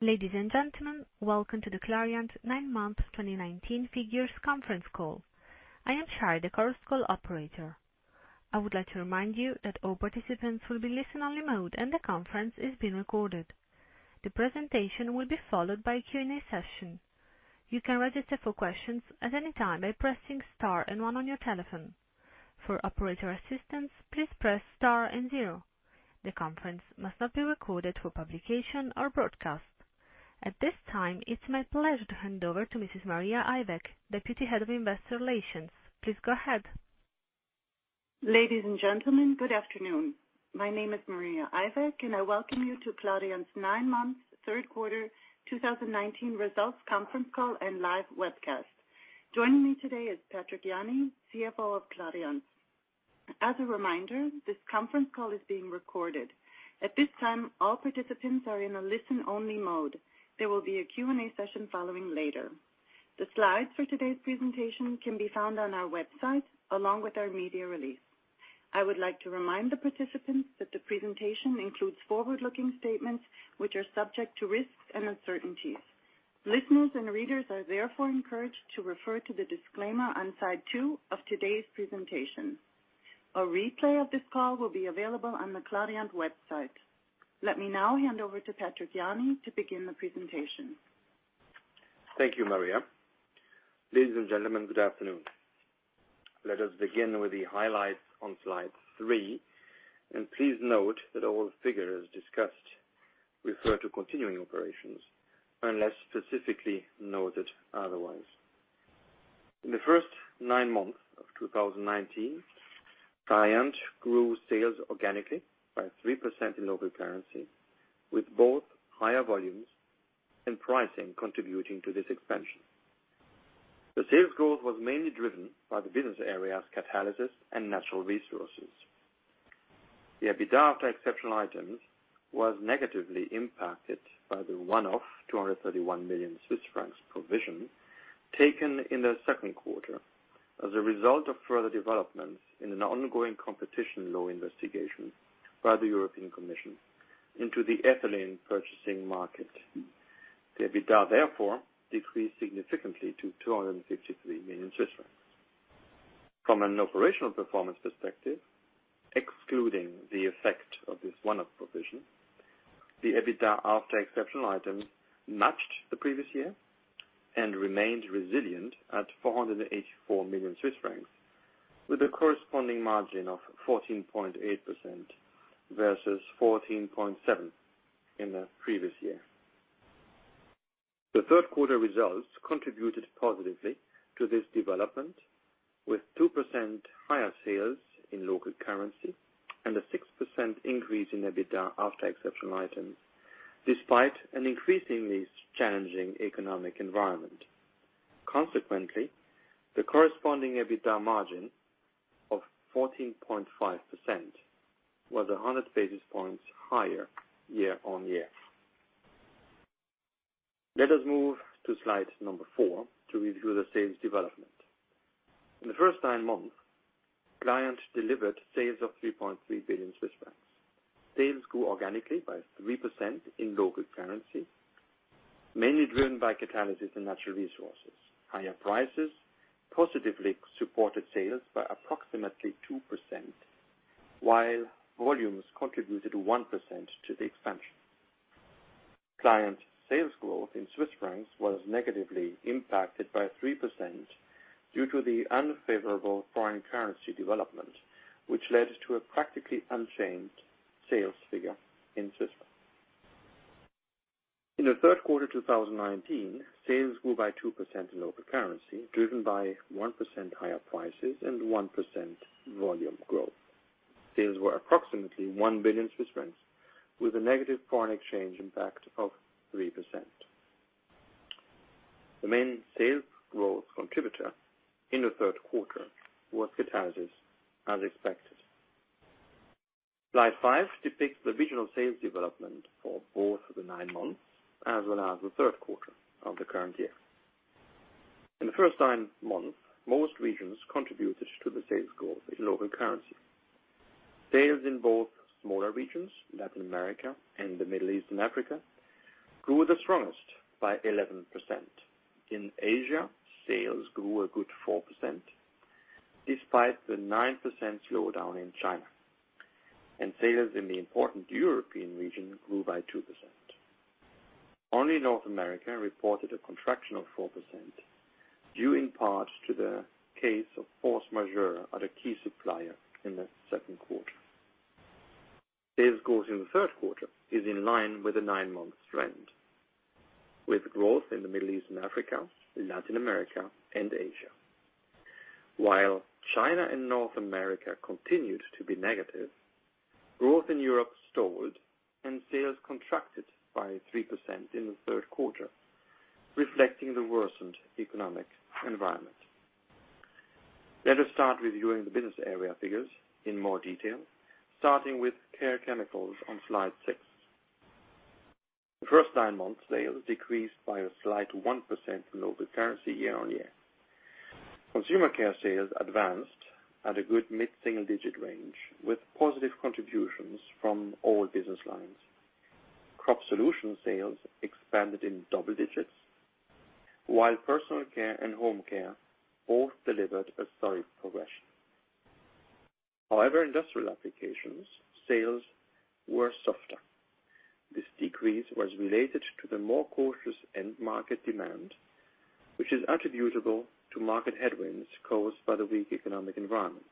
Ladies and gentlemen, welcome to the Clariant Nine Months 2019 figures conference call. I am Shire, the conference call operator. I would like to remind you that all participants will be listen-only mode, and the conference is being recorded. The presentation will be followed by a Q&A session. You can register for questions at any time by pressing star one on your telephone. For operator assistance, please press star zero. The conference must not be recorded for publication or broadcast. At this time, it's my pleasure to hand over to Mrs. Maria Ivek, Deputy Head of Investor Relations. Please go ahead. Ladies and gentlemen, good afternoon. My name is Maria Ivek. I welcome you to Clariant's Nine Months Third Quarter 2019 results conference call and live webcast. Joining me today is Patrick Jany, CFO of Clariant. As a reminder, this conference call is being recorded. At this time, all participants are in a listen-only mode. There will be a Q&A session following later. The slides for today's presentation can be found on our website along with our media release. I would like to remind the participants that the presentation includes forward-looking statements, which are subject to risks and uncertainties. Listeners and readers are therefore encouraged to refer to the disclaimer on slide two of today's presentation. A replay of this call will be available on the Clariant website. Let me now hand over to Patrick Jany to begin the presentation. Thank you, Maria. Ladies and gentlemen, good afternoon. Please note that all figures discussed refer to continuing operations unless specifically noted otherwise. In the first nine months of 2019, Clariant grew sales organically by 3% in local currency, with both higher volumes and pricing contributing to this expansion. The sales growth was mainly driven by the business areas Catalysis and Natural Resources. The EBITDA after exceptional items was negatively impacted by the one-off 231 million Swiss francs provision taken in the second quarter as a result of further developments in an ongoing competition law investigation by the European Commission into the ethylene purchasing market. The EBITDA, therefore, decreased significantly to 253 million Swiss francs. From an operational performance perspective, excluding the effect of this one-off provision, the EBITDA after exceptional items matched the previous year and remained resilient at 484 million Swiss francs, with a corresponding margin of 14.8% versus 14.7% in the previous year. The third quarter results contributed positively to this development with 2% higher sales in local currency and a 6% increase in EBITDA after exceptional items, despite an increasingly challenging economic environment. Consequently, the corresponding EBITDA margin of 14.5% was 100 basis points higher year-over-year. Let us move to slide number four to review the sales development. In the first nine months, Clariant delivered sales of 3.3 billion Swiss francs. Sales grew organically by 3% in local currency, mainly driven by Catalysis and Natural Resources. Higher prices positively supported sales by approximately 2%, while volumes contributed 1% to the expansion. Clariant sales growth in CHF was negatively impacted by 3% due to the unfavorable foreign currency development, which led to a practically unchanged sales figure in CHF. In the third quarter 2019, sales grew by 2% in local currency, driven by 1% higher prices and 1% volume growth. Sales were approximately 1 billion Swiss francs, with a negative foreign exchange impact of 3%. The main sales growth contributor in the third quarter was Catalysis as expected. Slide five depicts the regional sales development for both the nine months as well as the third quarter of the current year. In the first nine months, most regions contributed to the sales growth in local currency. Sales in both smaller regions, Latin America and the Middle East and Africa, grew the strongest by 11%. In Asia, sales grew a good 4%, despite the 9% slowdown in China. Sales in the important European region grew by 2%. Only North America reported a contraction of 4%, due in part to the case of force majeure at a key supplier in the second quarter. Sales growth in the third quarter is in line with the nine-month trend, with growth in the Middle East and Africa, Latin America, and Asia. China and North America continued to be negative, growth in Europe stalled and sales contracted by 3% in the third quarter, reflecting the worsened economic environment. Let us start reviewing the business area figures in more detail, starting with Care Chemicals on slide six. The first nine months, sales decreased by a slight 1% in local currency year on year. Consumer Care sales advanced at a good mid-single digit range with positive contributions from all business lines. Crop Solutions sales expanded in double digits while Personal Care and Home Care both delivered a solid progression. However, Industrial Applications sales were softer. This decrease was related to the more cautious end market demand, which is attributable to market headwinds caused by the weak economic environment.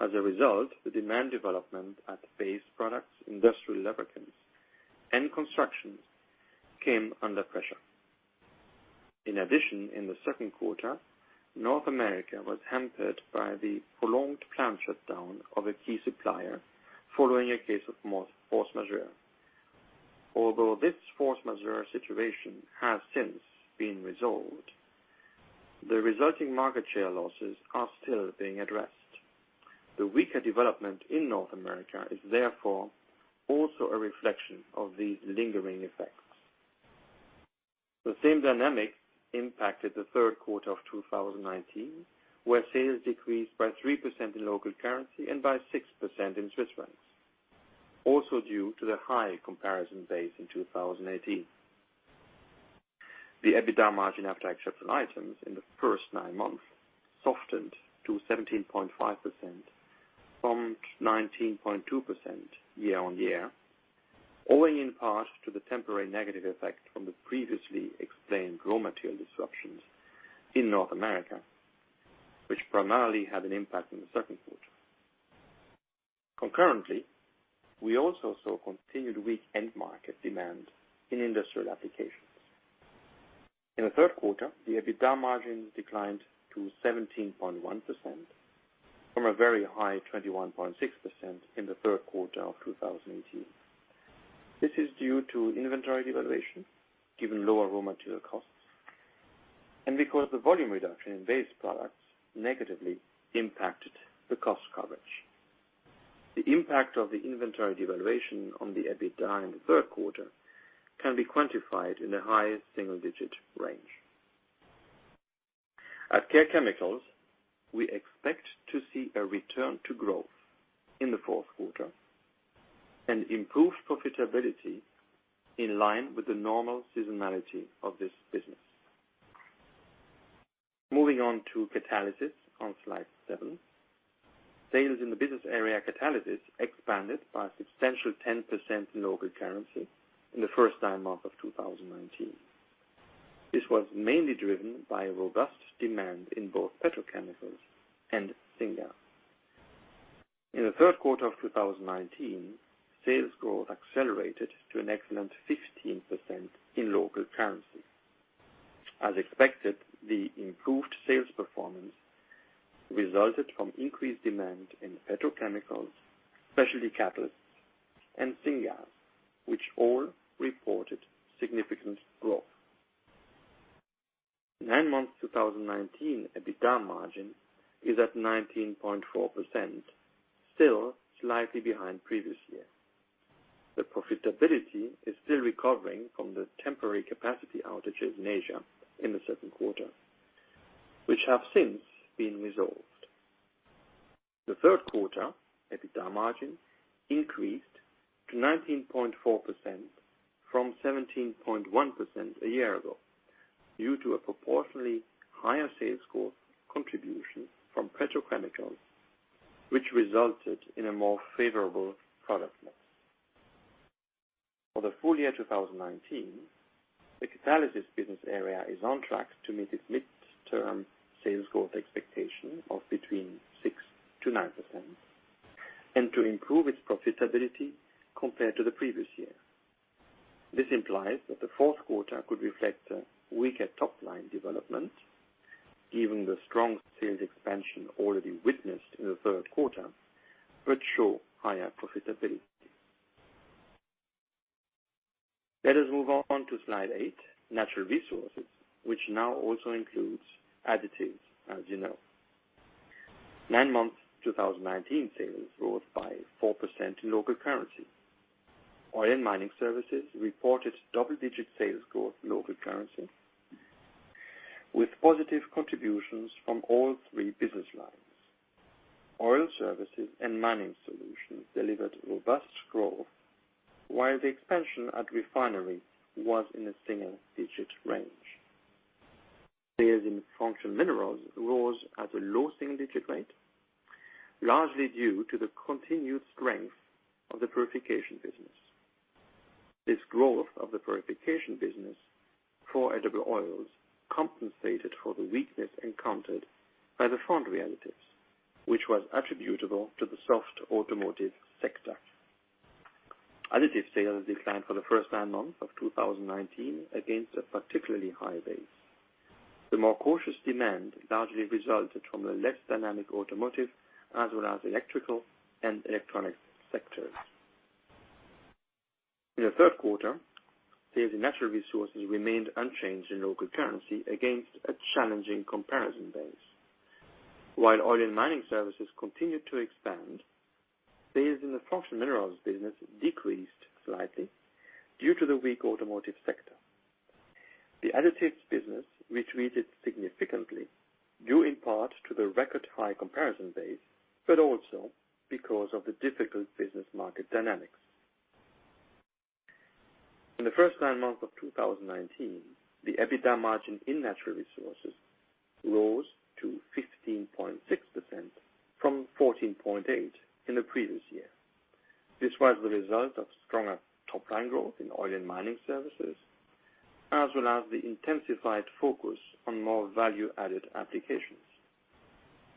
As a result, the demand development at base products, industrial lubricants, and constructions came under pressure. In addition, in the second quarter, North America was hampered by the prolonged plant shutdown of a key supplier following a case of force majeure. Although this force majeure situation has since been resolved, the resulting market share losses are still being addressed. The weaker development in North America is therefore also a reflection of these lingering effects. The same dynamic impacted the third quarter of 2019, where sales decreased by 3% in local currency and by 6% in CHF, also due to the high comparison base in 2018. The EBITDA margin after exceptional items in the first nine months softened to 17.5% from 19.2% year on year, owing in part to the temporary negative effect from the previously explained raw material disruptions in North America, which primarily had an impact in the second quarter. Concurrently, we also saw continued weak end market demand in Industrial Applications. In the third quarter, the EBITDA margin declined to 17.1% from a very high 21.6% in the third quarter of 2018. This is due to inventory valuation, given lower raw material costs, and because the volume reduction in base products negatively impacted the cost coverage. The impact of the inventory valuation on the EBITDA in the third quarter can be quantified in the high single-digit range. At Care Chemicals, we expect to see a return to growth in the fourth quarter and improved profitability in line with the normal seasonality of this business. Moving on to Catalysis on slide seven. Sales in the business area Catalysis expanded by a substantial 10% in local currency in the first nine months of 2019. This was mainly driven by robust demand in both petrochemicals and syngas. In the third quarter of 2019, sales growth accelerated to an excellent 15% in local currency. As expected, the improved sales performance resulted from increased demand in petrochemicals, specialty catalysts, and syngas, which all reported significant growth. Nine months 2019, EBITDA margin is at 19.4%, still slightly behind previous year. The profitability is still recovering from the temporary capacity outages in Asia in the second quarter, which have since been resolved. The third quarter EBITDA margin increased to 19.4% from 17.1% a year ago due to a proportionally higher sales growth contribution from petrochemicals, which resulted in a more favorable product mix. For the full year 2019, the Catalysis business area is on track to meet its mid-term sales growth expectation of between 6%-9% and to improve its profitability compared to the previous year. This implies that the fourth quarter could reflect a weaker top-line development, given the strong sales expansion already witnessed in the third quarter, but show higher profitability. Let us move on to slide eight, Natural Resources, which now also includes Additives, as you know. Nine months 2019 sales growth by 4% in local currency. Oil and Mining Services reported double-digit sales growth in local currency with positive contributions from all three business lines. Oil services and mining solutions delivered robust growth, while the expansion at refinery was in a single-digit range. Sales in Functional Minerals rose at a low single-digit rate, largely due to the continued strength of the purification business. This growth of the purification business for edible oils compensated for the weakness encountered by the foundry additives, which was attributable to the soft automotive sector. Additives sales declined for the first nine months of 2019 against a particularly high base. The more cautious demand largely resulted from the less dynamic automotive as well as electrical and electronic sectors. In the third quarter, sales in Natural Resources remained unchanged in local currency against a challenging comparison base. While Oil and Mining Services continued to expand, sales in the Functional Minerals business decreased slightly due to the weak automotive sector. The Additives business retreated significantly, due in part to the record high comparison base, but also because of the difficult business market dynamics. In the first nine months of 2019, the EBITDA margin in Natural Resources rose to 15.6% from 14.8% in the previous year. This was the result of stronger top-line growth in Oil and Mining Services, as well as the intensified focus on more value-added applications.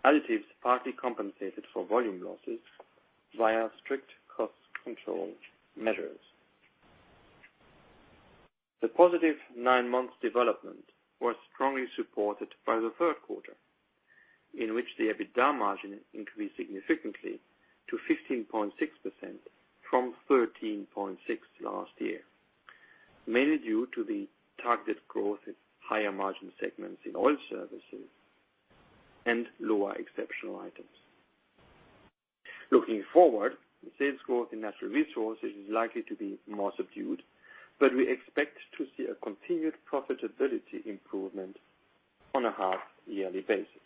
Additives partly compensated for volume losses via strict cost control measures. The positive nine months development was strongly supported by the third quarter, in which the EBITDA margin increased significantly to 15.6% from 13.6% last year, mainly due to the targeted growth in higher margin segments in oil services and lower exceptional items. Looking forward, the sales growth in Natural Resources is likely to be more subdued, we expect to see a continued profitability improvement on a half-yearly basis.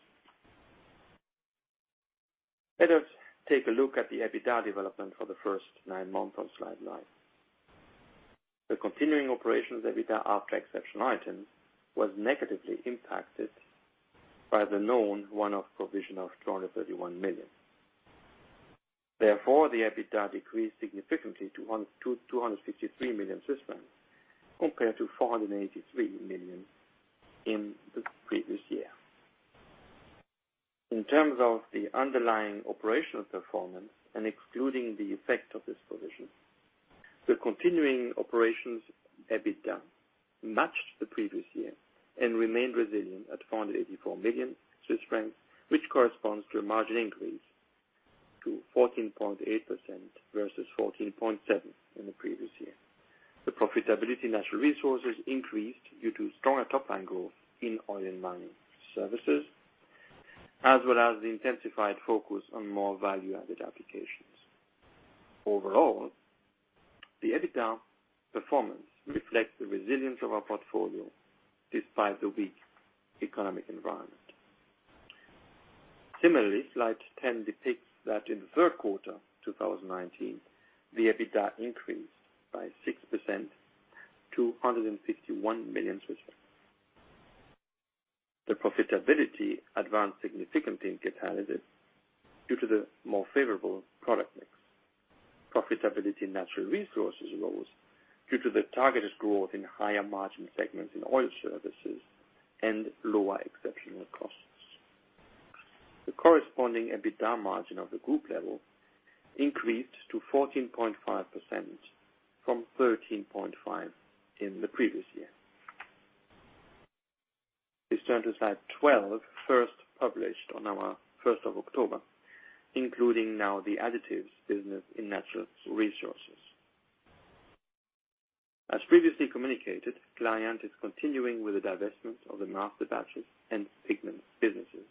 Let us take a look at the EBITDA development for the first nine months on slide nine. The continuing operations EBITDA after exceptional items was negatively impacted by the known one-off provision of 231 million. The EBITDA decreased significantly to 253 million Swiss francs, compared to 483 million in the previous year. In terms of the underlying operational performance and excluding the effect of this provision, the continuing operations EBITDA matched the previous year and remained resilient at 484 million Swiss francs, which corresponds to a margin increase to 14.8% versus 14.7% in the previous year. The profitability in Natural Resources increased due to stronger top-line growth in Oil and Mining Services, as well as the intensified focus on more value-added applications. Overall, the EBITDA performance reflects the resilience of our portfolio despite the weak economic environment. Similarly, slide 10 depicts that in the third quarter 2019, the EBITDA increased by 6% to 151 million Swiss francs. The profitability advanced significantly in Catalysis due to the more favorable product mix. Profitability in Natural Resources rose due to the targeted growth in higher margin segments in oil services and lower exceptional costs. The corresponding EBITDA margin of the group level increased to 14.5% from 13.5% in the previous year. Please turn to slide 12, first published on our 1st of October, including now the Additives business in Natural Resources. As previously communicated, Clariant is continuing with the divestment of the Masterbatches and Pigments businesses.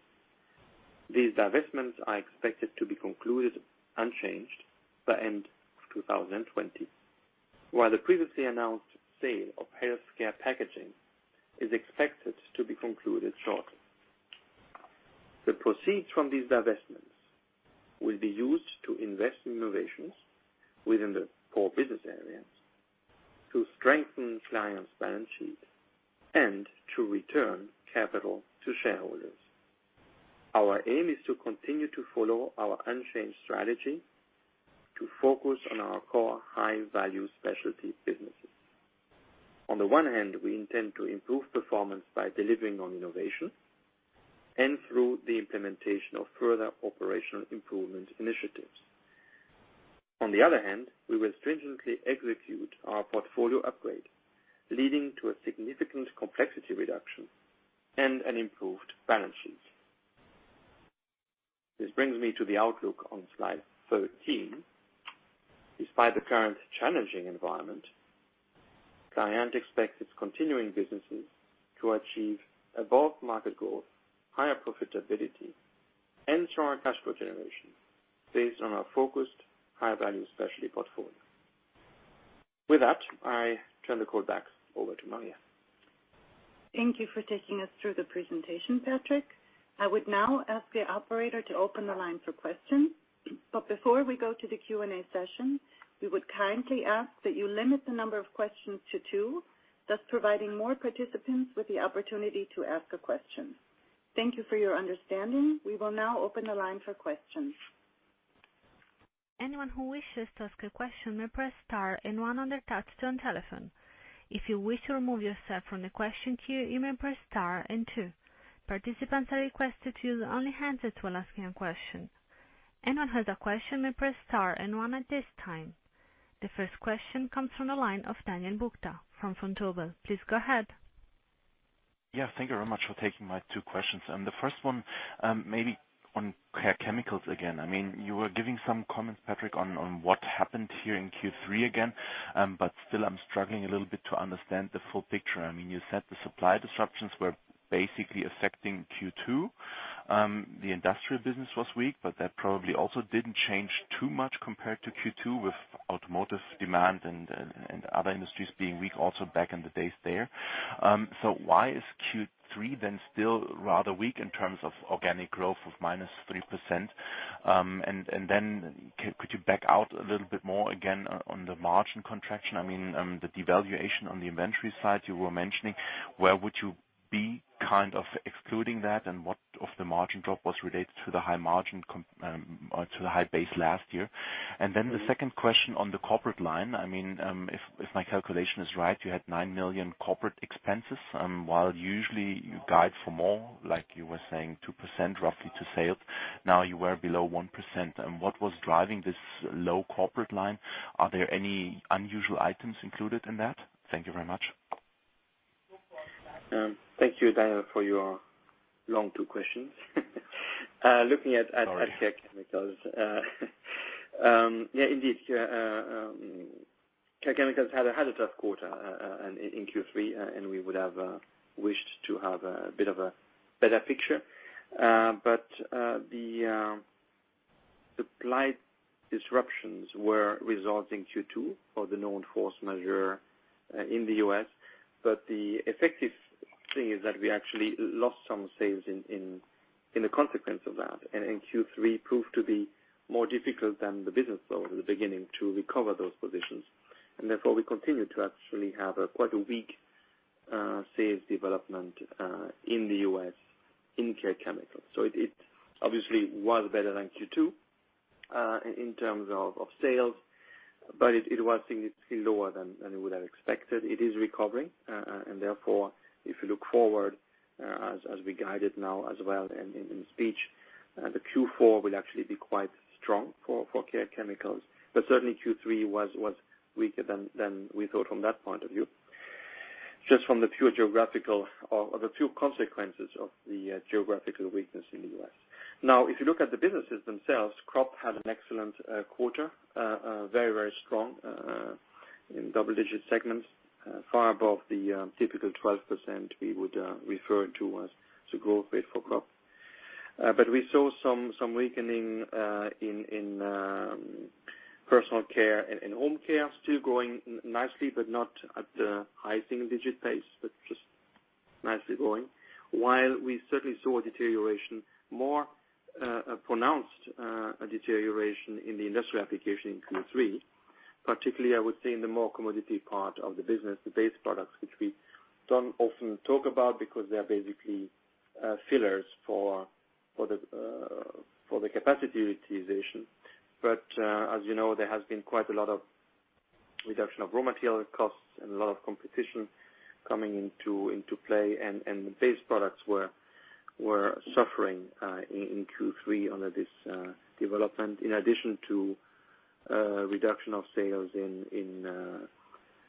These divestments are expected to be concluded unchanged by end of 2020. While the previously announced sale of Healthcare Packaging is expected to be concluded shortly. The proceeds from these divestments will be used to invest in innovations within the core business areas to strengthen Clariant's balance sheet and to return capital to shareholders. Our aim is to continue to follow our unchanged strategy to focus on our core high-value specialty businesses. On the one hand, we intend to improve performance by delivering on innovation and through the implementation of further operational improvement initiatives. On the other hand, we will stringently execute our portfolio upgrade, leading to a significant complexity reduction and an improved balance sheet. This brings me to the outlook on slide 13. Despite the current challenging environment, Clariant expects its continuing businesses to achieve above market growth, higher profitability, and stronger cash flow generation based on our focused high-value specialty portfolio. With that, I turn the call back over to Maria. Thank you for taking us through the presentation, Patrick. I would now ask the operator to open the line for questions. Before we go to the Q&A session, we would kindly ask that you limit the number of questions to two, thus providing more participants with the opportunity to ask a question. Thank you for your understanding. We will now open the line for questions. Anyone who wishes to ask a question may press star and one on their touch-tone telephone. If you wish to remove yourself from the question queue, you may press star and two. Participants are requested to use only hands as well asking a question. Anyone who has a question may press star and one at this time. The first question comes from the line of Daniel Buchta from Vontobel. Please go ahead. Yeah, thank you very much for taking my two questions. The first one, maybe on Care Chemicals again. You were giving some comments, Patrick, on what happened here in Q3 again, but still I'm struggling a little bit to understand the full picture. You said the supply disruptions were basically affecting Q2. That probably also didn't change too much compared to Q2 with automotive demand and other industries being weak also back in the days there. Why is Q3 then still rather weak in terms of organic growth of minus 3%? Could you back out a little bit more again on the margin contraction? I mean, the devaluation on the inventory side you were mentioning, where would you be excluding that? What of the margin drop was related to the high base last year? The second question on the corporate line, if my calculation is right, you had 9 million corporate expenses. While usually you guide for more, like you were saying, 2% roughly to sales. Now you were below 1%. What was driving this low corporate line? Are there any unusual items included in that? Thank you very much. Thank you, Daniel, for your long two questions. Sorry. Looking at Care Chemicals. Yeah, indeed. Care Chemicals had a tough quarter, in Q3. We would have wished to have a bit of a better picture. The supply disruptions were resulting Q2 for the known force majeure in the U.S. The effective thing is that we actually lost some sales in the consequence of that. Q3 proved to be more difficult than the business was in the beginning to recover those positions. Therefore we continue to actually have quite a weak sales development, in the U.S., in Care Chemicals. It obviously was better than Q2, in terms of sales, but it was significantly lower than we would have expected. It is recovering. Therefore, if you look forward, as we guided now as well in speech, the Q4 will actually be quite strong for Care Chemicals. Certainly Q3 was weaker than we thought from that point of view, just from the pure geographical or the pure consequences of the geographical weakness in the U.S. If you look at the businesses themselves, Crop had an excellent quarter. Very, very strong, in double-digit segments, far above the typical 12% we would refer to as the growth rate for Crop. We saw some weakening in Personal Care and in Home Care. Still growing nicely, but not at the high single-digit pace, but just nicely growing. While we certainly saw a deterioration, more pronounced deterioration in the Industrial Applications in Q3. Particularly, I would say in the more commodity part of the business, the base products, which we don't often talk about because they're basically fillers for the capacity utilization. As you know, there has been quite a lot of reduction of raw material costs and a lot of competition coming into play, and the base products were suffering, in Q3 under this development. In addition to reduction of sales in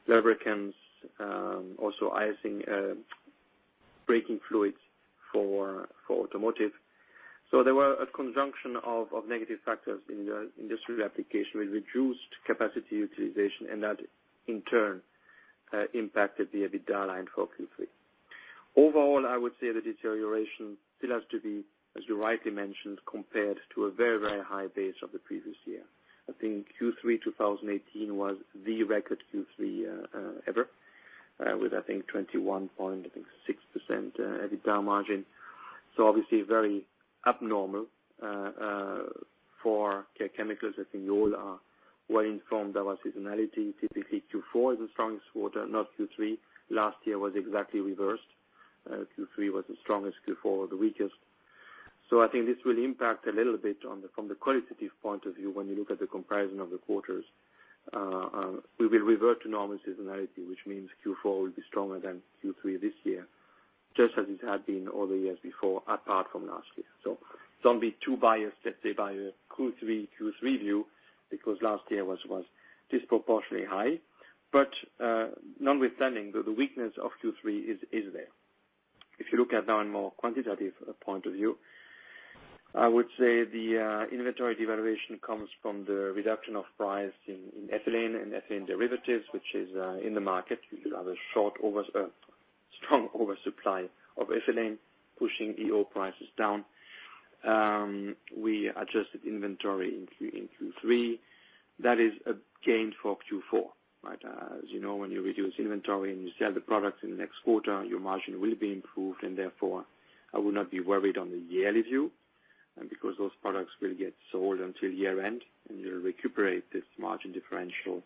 lubricants, also De-icing, braking fluids for automotive. There were a conjunction of negative factors in the industry application with reduced capacity utilization, and that in turn impacted the EBITDA line for Q3. Overall, I would say the deterioration still has to be, as you rightly mentioned, compared to a very, very high base of the previous year. I think Q3 2018 was the record Q3 ever, with I think 21.6% EBITDA margin. Obviously very abnormal for Care Chemicals. I think you all are well-informed of our seasonality. Typically, Q4 is the strongest quarter, not Q3. Last year was exactly reversed. Q3 was the strongest, Q4 the weakest. I think this will impact a little bit from the qualitative point of view, when you look at the comparison of the quarters. We will revert to normal seasonality, which means Q4 will be stronger than Q3 this year, just as it had been all the years before, apart from last year. Don't be too biased, let's say, by the Q3 view, because last year was disproportionately high. Notwithstanding, the weakness of Q3 is there. If you look at now a more quantitative point of view, I would say the inventory devaluation comes from the reduction of price in ethylene and ethylene derivatives, which is in the market with a rather strong oversupply of ethylene pushing EO prices down. We adjusted inventory in Q3. That is a gain for Q4, right? As you know, when you reduce inventory and you sell the product in the next quarter, your margin will be improved. I would not be worried on the yearly view. Those products will get sold until year-end. We'll recuperate this margin differential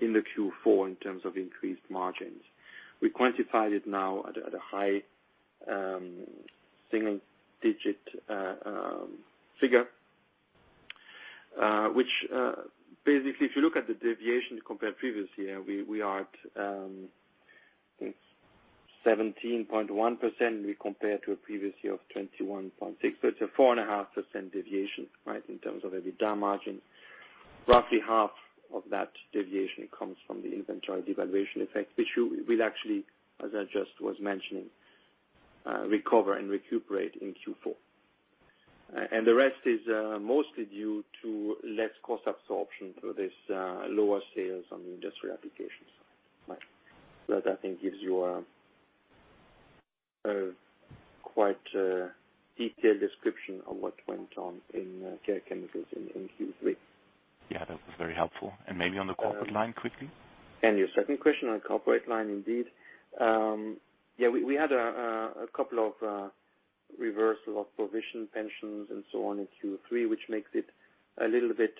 in the Q4 in terms of increased margins. We quantified it now at a high single-digit figure, which basically if you look at the deviation compared previous year, we are at 17.1%. We compare to a previous year of 21.6%. It's a 4.5% deviation, right, in terms of EBITDA margin. Roughly half of that deviation comes from the inventory devaluation effect, which we'll actually, as I just was mentioning, recover and recuperate in Q4. The rest is mostly due to less cost absorption through this lower sales on Industrial Applications. Right. That I think gives you a quite detailed description of what went on in Care Chemicals in Q3. Yeah, that was very helpful. Maybe on the corporate line, quickly. Your second question on corporate line, indeed. We had a couple of reversals of provision pensions and so on in Q3, which makes it a little bit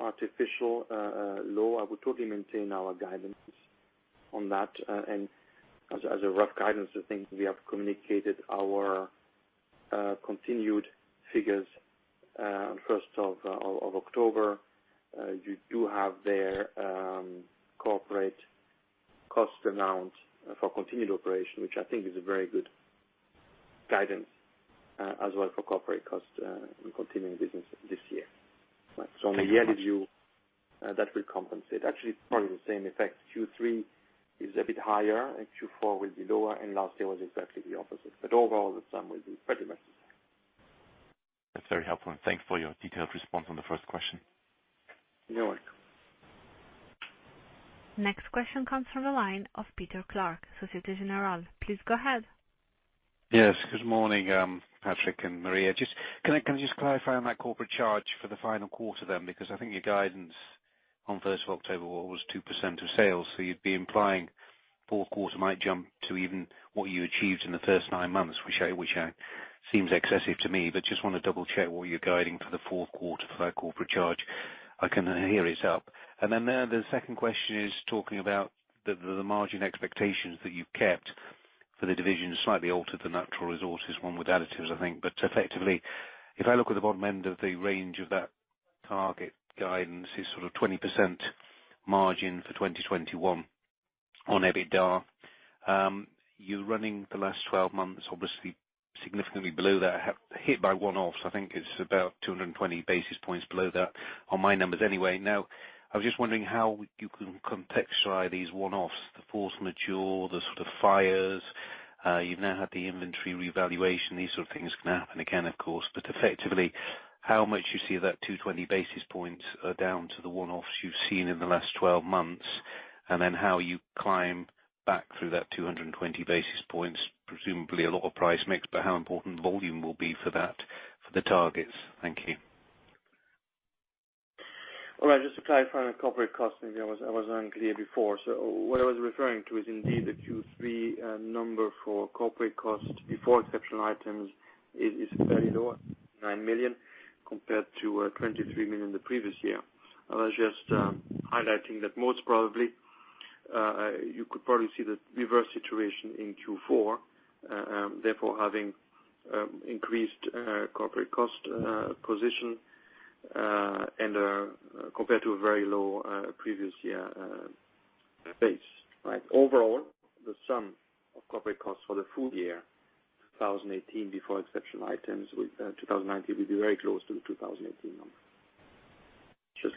artificial low. I would totally maintain our guidances on that. As a rough guidance, I think we have communicated our continued figures on 1st of October. You do have their corporate cost amount for continued operation, which I think is a very good guidance as well for corporate cost in continuing business this year. On the year view, that will compensate. Actually, probably the same effect. Q3 is a bit higher and Q4 will be lower, and last year was exactly the opposite. Overall, the sum will be pretty much the same. That's very helpful, and thanks for your detailed response on the first question. You're welcome. Next question comes from the line of Peter Clark, Societe Generale. Please go ahead. Good morning, Patrick and Maria. Can you just clarify on that corporate charge for the final quarter then? I think your guidance on 1st of October was 2% of sales, so you'd be implying fourth quarter might jump to even what you achieved in the first nine months, which seems excessive to me. Just want to double-check what you're guiding for the fourth quarter for that corporate charge. I can hear it's up. Then the second question is talking about the margin expectations that you've kept for the divisions, slightly altered the Natural Resources one with Additives, I think. Effectively, if I look at the bottom end of the range of that target guidance is sort of 20% margin for 2021 on EBITDA. You're running the last 12 months, obviously significantly below that, hit by one-offs. I think it's about 220 basis points below that on my numbers, anyway. I was just wondering how you can contextualize these one-offs, the force majeure, the sort of fires. You've now had the inventory revaluation. These sort of things can happen again, of course, but effectively, how much you see that 220 basis points are down to the one-offs you've seen in the last 12 months, and then how you climb back through that 220 basis points. Presumably a lot of price mix, but how important volume will be for that, for the targets. Thank you. All right. Just to clarify on the corporate cost, maybe I wasn't clear before. What I was referring to is indeed the Q3 number for corporate cost before exceptional items is very low at 9 million, compared to 23 million the previous year. I was just highlighting that most probably, you could probably see the reverse situation in Q4, therefore having increased corporate cost position and compared to a very low previous year base. Overall, the sum of corporate costs for the full year 2018 before exceptional items, 2019, will be very close to the 2018 number. Just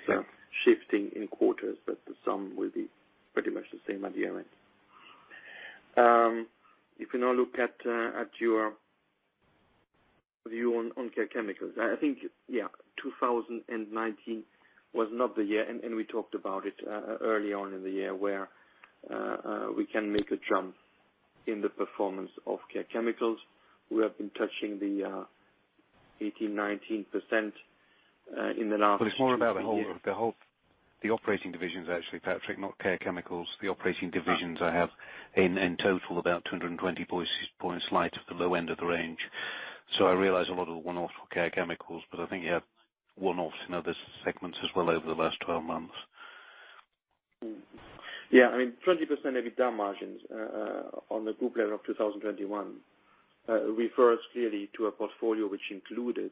shifting in quarters, the sum will be pretty much the same at the end. If you now look at your view on Care Chemicals, I think, yeah, 2019 was not the year. We talked about it early on in the year, where we can make a jump in the performance of Care Chemicals. We have been touching the 18%, 19% in the last two years. It's more about the operating divisions actually, Patrick, not Care Chemicals. The operating divisions I have in total, about 220 basis points light at the low end of the range. I realize a lot of the one-offs were Care Chemicals, but I think you have one-offs in other segments as well over the last 12 months. I mean, 20% EBITDA margins on the group level of 2021 refers clearly to a portfolio which included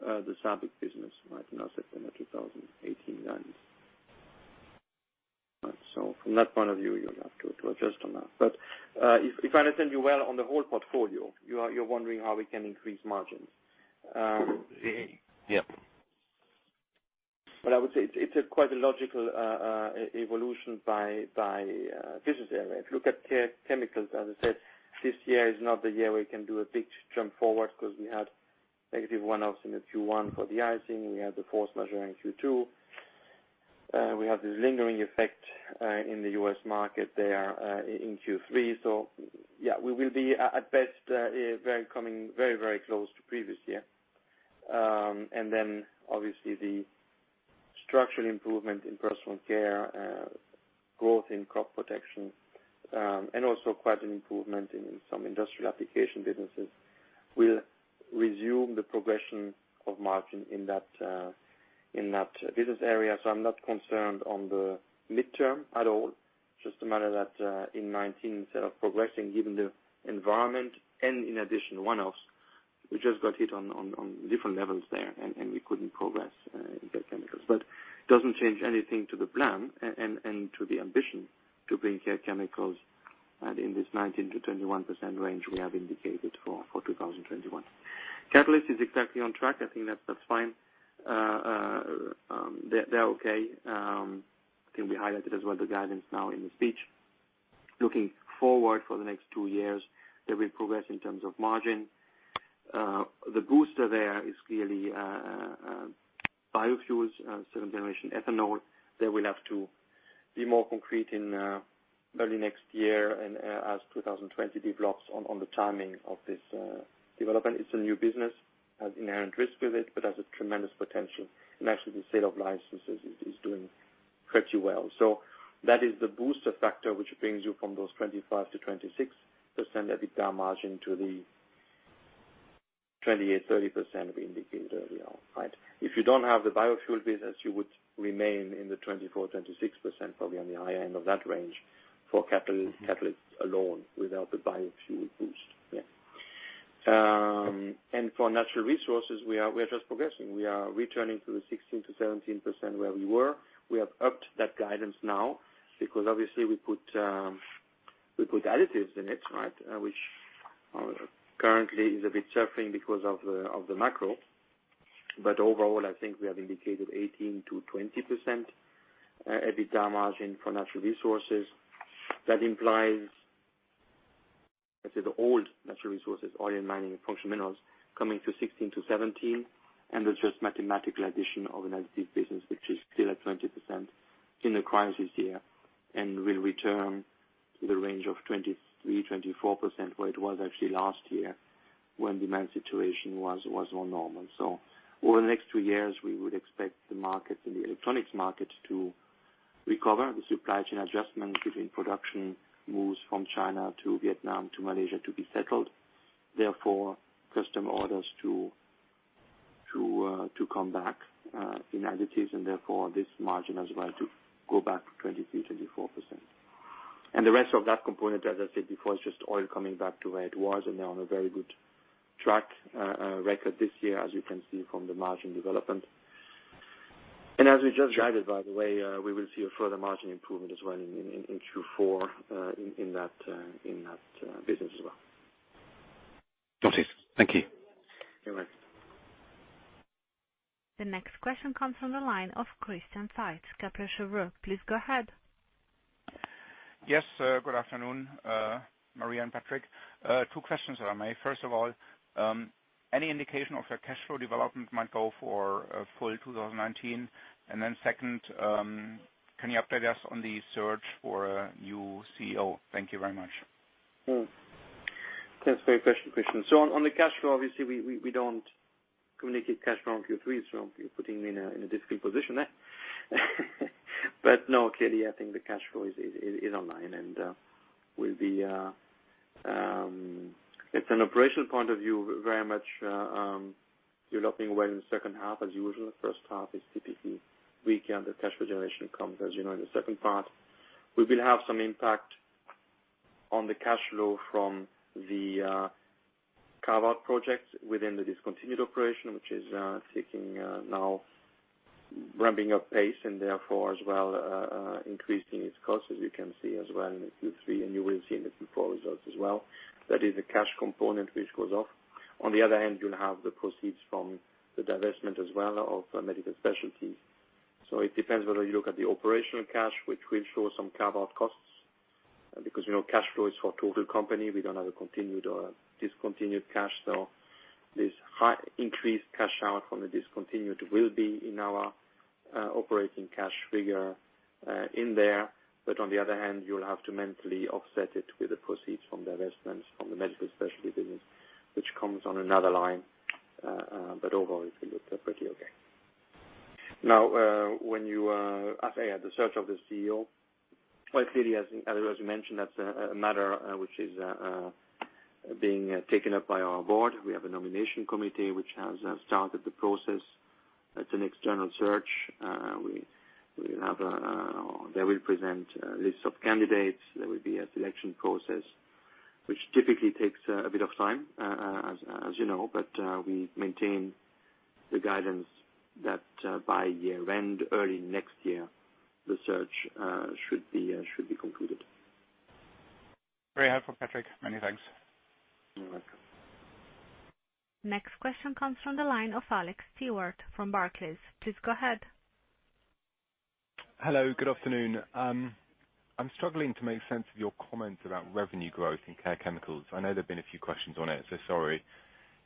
the SABIC business in our system at 2018, 2019. From that point of view, you'll have to adjust on that. If I understand you well on the whole portfolio, you're wondering how we can increase margins. Yeah. I would say it's quite a logical evolution by business area. If you look at Care Chemicals, as I said, this year is not the year we can do a big jump forward because we had negative one-offs in the Q1 for the De-icing. We had the force majeure in Q2. We have this lingering effect in the U.S. market there in Q3. Yeah, we will be at best coming very close to previous year. Obviously the structural improvement in Personal Care, growth in Crop Protection, and also quite an improvement in some industrial application businesses will resume the progression of margin in that business area. I'm not concerned on the midterm at all. Just a matter that in 2019, instead of progressing, given the environment and in addition, one-offs, we just got hit on different levels there and we couldn't progress in Care Chemicals. Doesn't change anything to the plan and to the ambition to bring Care Chemicals in this 19%-21% range we have indicated for 2021. Catalyst is exactly on track. I think that's fine. They're okay. I think we highlighted as well the guidance now in the speech. Looking forward for the next two years, they will progress in terms of margin. The booster there is clearly biofuels, second-generation ethanol. They will have to be more concrete in early next year and as 2020 develops on the timing of this development. It's a new business, has inherent risk with it, but has a tremendous potential. Actually, the sale of licenses is doing pretty well. That is the booster factor which brings you from those 25%-26% EBITDA margin to the 28%-30% we indicated earlier. If you don't have the biofuels business, you would remain in the 24%-26%, probably on the high end of that range for catalysts alone without the biofuels boost. Yeah. For Natural Resources, we are just progressing. We are returning to the 16%-17% where we were. We have upped that guidance now because obviously we put Additives in it. Which currently is a bit suffering because of the macro. Overall, I think we have indicated 18%-20% EBITDA margin for Natural Resources. That implies, let's say, the old Natural Resources, Oil Mining and Functional Minerals, coming to 16%-17%, and it's just mathematical addition of an Additives business, which is still at 20% in the crisis year and will return to the range of 23%-24%, where it was actually last year when demand situation was more normal. Over the next two years, we would expect the markets and the electronics market to recover, the supply chain adjustment between production moves from China to Vietnam to Malaysia to be settled, therefore, customer orders to come back in Additives, and therefore this margin as well to go back 23%-24%. The rest of that component, as I said before, is just oil coming back to where it was, and they're on a very good track record this year, as you can see from the margin development. As we just guided, by the way, we will see a further margin improvement as well in Q4 in that business as well. Got it. Thank you. You're welcome. The next question comes from the line of Christian Faitz, Kepler Cheuvreux. Please go ahead. Yes. Good afternoon, Maria and Patrick. Two questions, if I may. First of all, any indication of the cash flow development might go for full 2019? Second, can you update us on the search for a new CEO? Thank you very much. Thanks for your question, Christian. On the cash flow, obviously, we don't communicate cash flow in Q3, you're putting me in a difficult position there. No, clearly, I think the cash flow is online and it's an operational point of view very much developing well in the second half. As usual, the first half is typically weaker, the cash flow generation comes, as you know, in the second part. We will have some impact on the cash flow from the carve-out projects within the discontinued operation, which is seeking now ramping up pace, therefore as well increasing its cost, as you can see as well in the Q3, you will see in the Q4 results as well. That is a cash component which goes off. On the other hand, you'll have the proceeds from the divestment as well of Medical Specialties. It depends whether you look at the operational cash, which will show some carve-out costs, because cash flow is for total company. We don't have a continued or discontinued cash. This increased cash out from the discontinued will be in our operating cash figure in there. On the other hand, you'll have to mentally offset it with the proceeds from the investments from the Medical Specialties business, which comes on another line. Overall, it will look pretty okay. I say at the search of the CEO, quite clearly, as you mentioned, that's a matter which is being taken up by our Board. We have a nomination committee which has started the process. That's an external search. They will present a list of candidates. There will be a selection process, which typically takes a bit of time, as you know. We maintain the guidance that by year-end, early next year, the search should be concluded. Very helpful, Patrick. Many thanks. You're welcome. Next question comes from the line of Alex Stewart from Barclays. Please go ahead. Hello, good afternoon. I'm struggling to make sense of your comment about revenue growth in Care Chemicals. I know there have been a few questions on it, so sorry.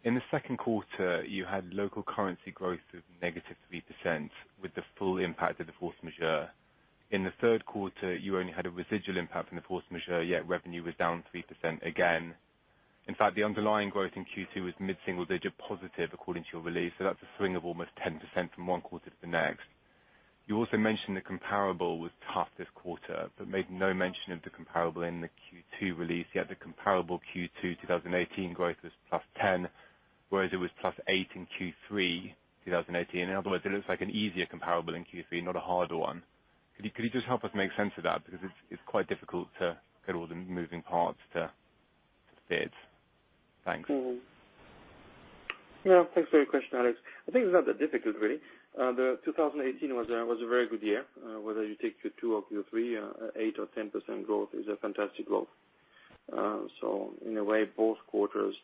In the second quarter, you had local currency growth of -3% with the full impact of the force majeure. In the third quarter, you only had a residual impact from the force majeure, yet revenue was down 3% again. In fact, the underlying growth in Q2 was mid-single digit positive according to your release, so that's a swing of almost 10% from one quarter to the next. You also mentioned the comparable was tough this quarter but made no mention of the comparable in the Q2 release, yet the comparable Q2 2018 growth was plus 10, whereas it was plus 8 in Q3 2018. In other words, it looks like an easier comparable in Q3, not a harder one. Could you just help us make sense of that? It's quite difficult to get all the moving parts to fit. Thanks. Thanks for your question, Alex. I think it's not that difficult, really. The 2018 was a very good year. Whether you take Q2 or Q3, 8% or 10% growth is a fantastic growth. In a way, both quarters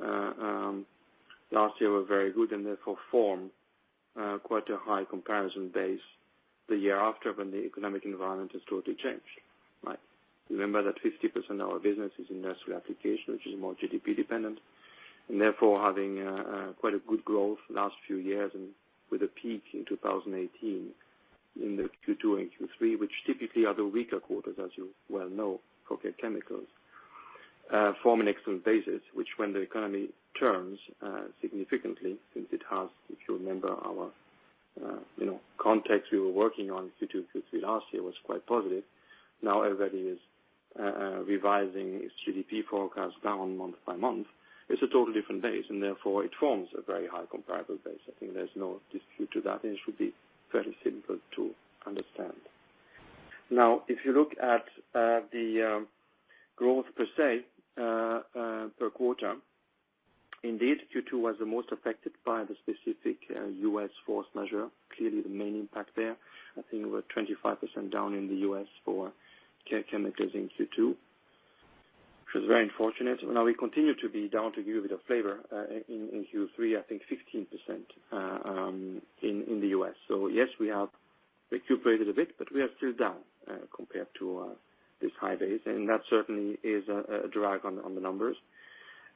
last year were very good and therefore form quite a high comparison base the year after when the economic environment has totally changed. Remember that 50% of our business is in Industrial Application, which is more GDP dependent and therefore having quite a good growth last few years and with a peak in 2018 in the Q2 and Q3, which typically are the weaker quarters as you well know, for Care Chemicals, form an excellent basis, which when the economy turns significantly, since it has, if you remember our context we were working on Q2, Q3 last year was quite positive. Everybody is revising its GDP forecast down month by month. It's a totally different base and therefore it forms a very high comparable base. I think there's no dispute to that and it should be fairly simple to understand. If you look at the growth per se, per quarter, indeed Q2 was the most affected by the specific U.S. force majeure. Clearly the main impact there, I think we're 25% down in the U.S. for Care Chemicals in Q2, which was very unfortunate. We continue to be down to give it a flavor, in Q3, I think 16% in the U.S. Yes, we have recuperated a bit, but we are still down, compared to this high base. That certainly is a drag on the numbers.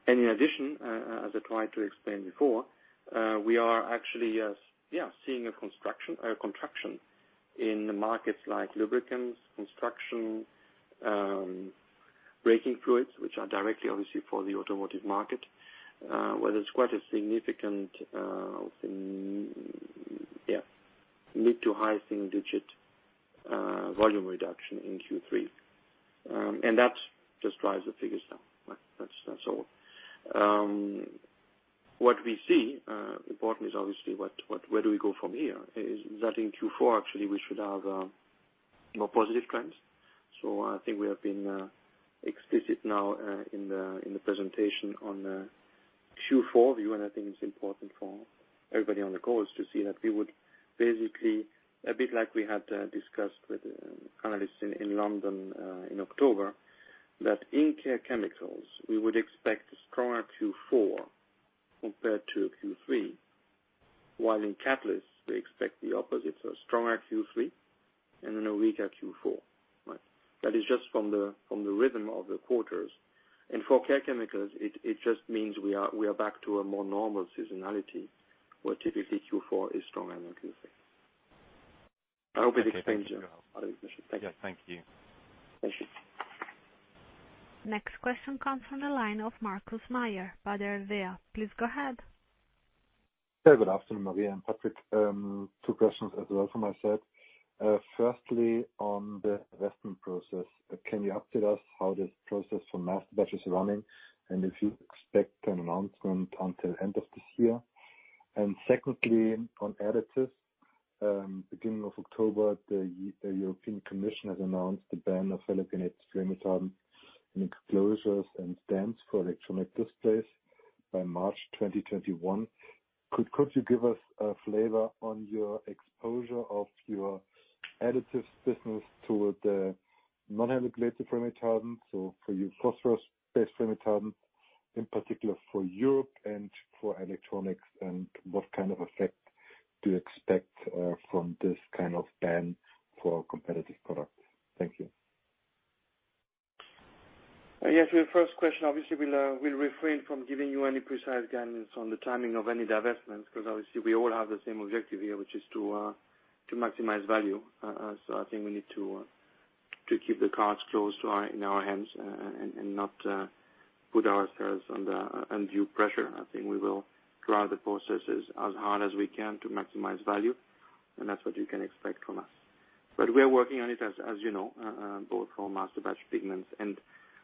In addition, as I tried to explain before, we are actually seeing a contraction in the markets like lubricants, construction, braking fluids, which are directly obviously for the automotive market, where there's quite a significant mid to high single digit volume reduction in Q3. That just drives the figures down. That's all. What we see, important is obviously where do we go from here, is that in Q4 actually we should have more positive trends. I think we have been explicit now in the presentation on the Q4 view, and I think it's important for everybody on the call to see that we would basically, a bit like we had discussed with analysts in London, in October, that in Care Chemicals, we would expect a stronger Q4 compared to Q3, while in Catalysis we expect the opposite. A stronger Q3 and then a weaker Q4. That is just from the rhythm of the quarters. For Care Chemicals, it just means we are back to a more normal seasonality where typically Q4 is stronger than Q3. I hope it explains it. Okay. Thank you. Thank you. Next question comes from the line of Markus Mayer, Baader-Helvea. Please go ahead. Good afternoon, Maria and Patrick. Two questions as well from my side. Firstly, on the investment process, can you update us how this process for Masterbatches is running and if you expect an announcement until end of this year? Secondly, on Additives, beginning of October, the European Commission has announced the ban of halogenated flame retardants in enclosures and stands for electronic displays by March 2021. Could you give us a flavor on your exposure of your Additives business toward the non-halogenated flame retardants, so for your phosphorus-based flame retardants, in particular for Europe and for electronics, and what kind of effect do you expect from this kind of ban for competitive products? Thank you. Your first question, obviously, we'll refrain from giving you any precise guidance on the timing of any divestments, because obviously we all have the same objective here, which is to maximize value. I think we need to keep the cards close in our hands and not put ourselves under undue pressure. I think we will drive the processes as hard as we can to maximize value, and that's what you can expect from us. We are working on it, as you know, both for Masterbatch Pigments and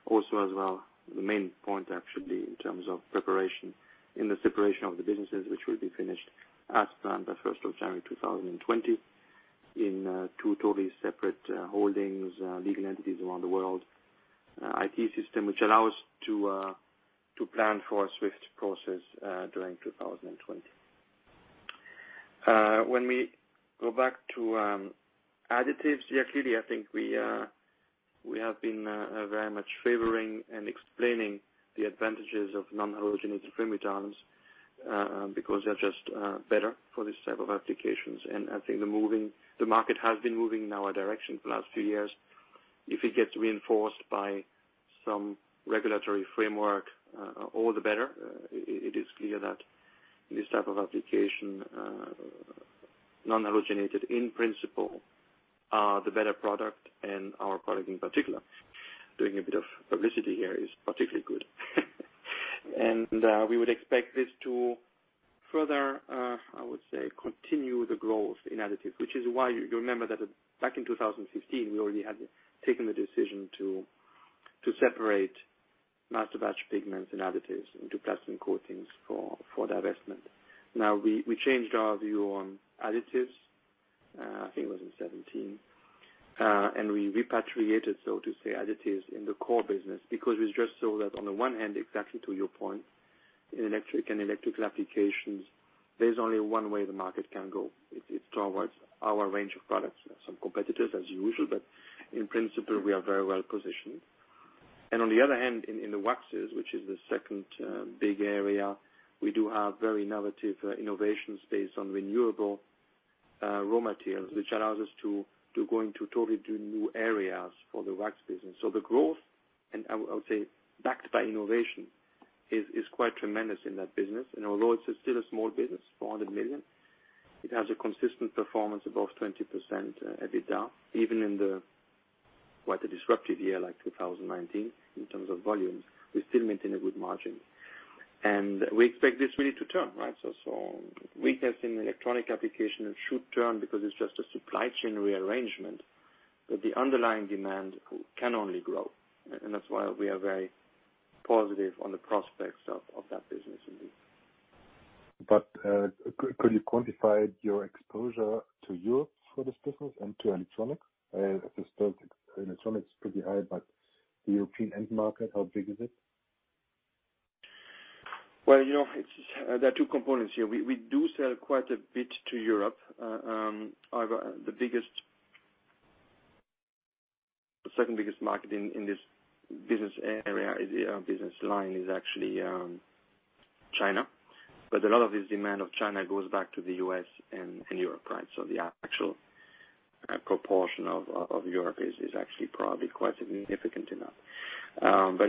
also as well, the main point actually in terms of preparation in the separation of the businesses, which will be finished as planned by 1st of January 2020 in two totally separate holdings, legal entities around the world, IT system, which allow us to plan for a swift process, during 2020. When we go back to Additives, clearly I think we have been very much favoring and explaining the advantages of non-halogenated flame retardants, because they're just better for this type of applications. I think the market has been moving in our direction for the last few years. If it gets reinforced by some regulatory framework, all the better. It is clear that this type of application, non-halogenated in principle, are the better product and our product in particular. Doing a bit of publicity here is particularly good. We would expect this to further, I would say, continue the growth in Additives, which is why you remember that back in 2016, we already had taken the decision to separate Masterbatches, Pigments and Additives into Plastics & Coatings for divestment. We changed our view on Additives, I think it was in 2017. We repatriated, so to say, Additives in the core business because we just saw that on the one hand, exactly to your point. In electric and electrical applications, there's only one way the market can go. It's towards our range of products. We have some competitors, as usual, but in principle, we are very well positioned. On the other hand, in the waxes, which is the second big area, we do have very innovative innovations based on renewable raw materials, which allows us to go into totally new areas for the wax business. The growth, and I would say backed by innovation, is quite tremendous in that business. Although it's still a small business, 400 million, it has a consistent performance above 20% EBITDA, even in the quite a disruptive year like 2019, in terms of volumes, we still maintain a good margin. We expect this really to turn. Weakness in electronic application should turn because it's just a supply chain rearrangement, but the underlying demand can only grow, and that's why we are very positive on the prospects of that business indeed. Could you quantify your exposure to Europe for this business and to electronics? I suppose electronics is pretty high, but the European end market, how big is it? Well, there are two components here. We do sell quite a bit to Europe. The second biggest market in this business line is actually China. A lot of this demand of China goes back to the U.S. and Europe. The actual proportion of Europe is actually probably quite significant enough.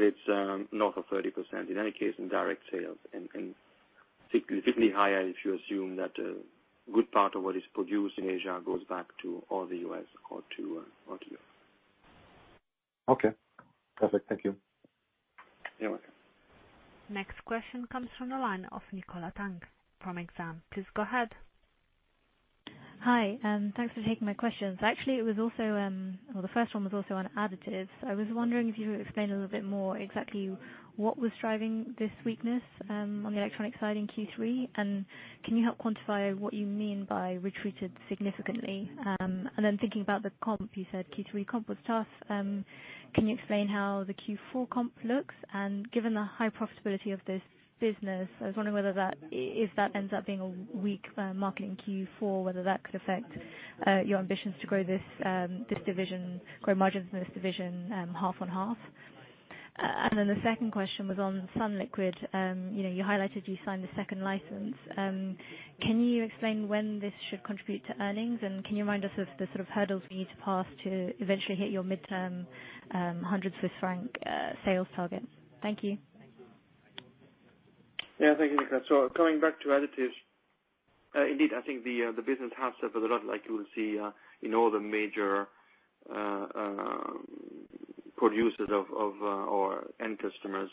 It's not a 30%, in any case, in direct sales, and significantly higher if you assume that a good part of what is produced in Asia goes back to or the U.S. or to Europe. Okay, perfect. Thank you. You're welcome. Next question comes from the line of Nicola Tang from Exane. Please go ahead. Hi, thanks for taking my questions. Actually, the first one was also on Additives. I was wondering if you could explain a little bit more exactly what was driving this weakness on the electronic side in Q3, and can you help quantify what you mean by retreated significantly? Thinking about the comp, you said Q3 comp was tough. Can you explain how the Q4 comp looks? Given the high profitability of this business, I was wondering whether if that ends up being a weak market in Q4, whether that could affect your ambitions to grow margins in this division half on half. The second question was on sunliquid. You highlighted you signed the second license. Can you explain when this should contribute to earnings, and can you remind us of the sort of hurdles we need to pass to eventually hit your midterm 100 Swiss franc sales target? Thank you. Yeah, thank you, Nicola. Coming back to Additives, indeed, I think the business has suffered a lot like you will see in all the major producers of our end customers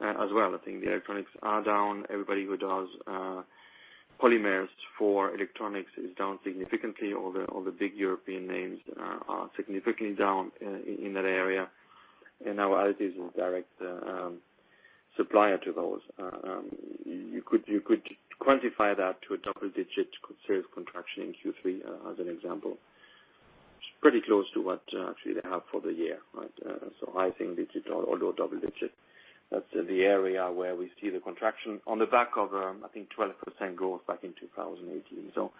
as well. I think the electronics are down. Everybody who does polymers for electronics is down significantly. All the big European names are significantly down in that area. Our Additives are a direct supplier to those. You could quantify that to a double-digit serious contraction in Q3 as an example. It's pretty close to what actually they have for the year. High single digit, although double digit, that's the area where we see the contraction on the back of, I think, 12% growth back in 2018.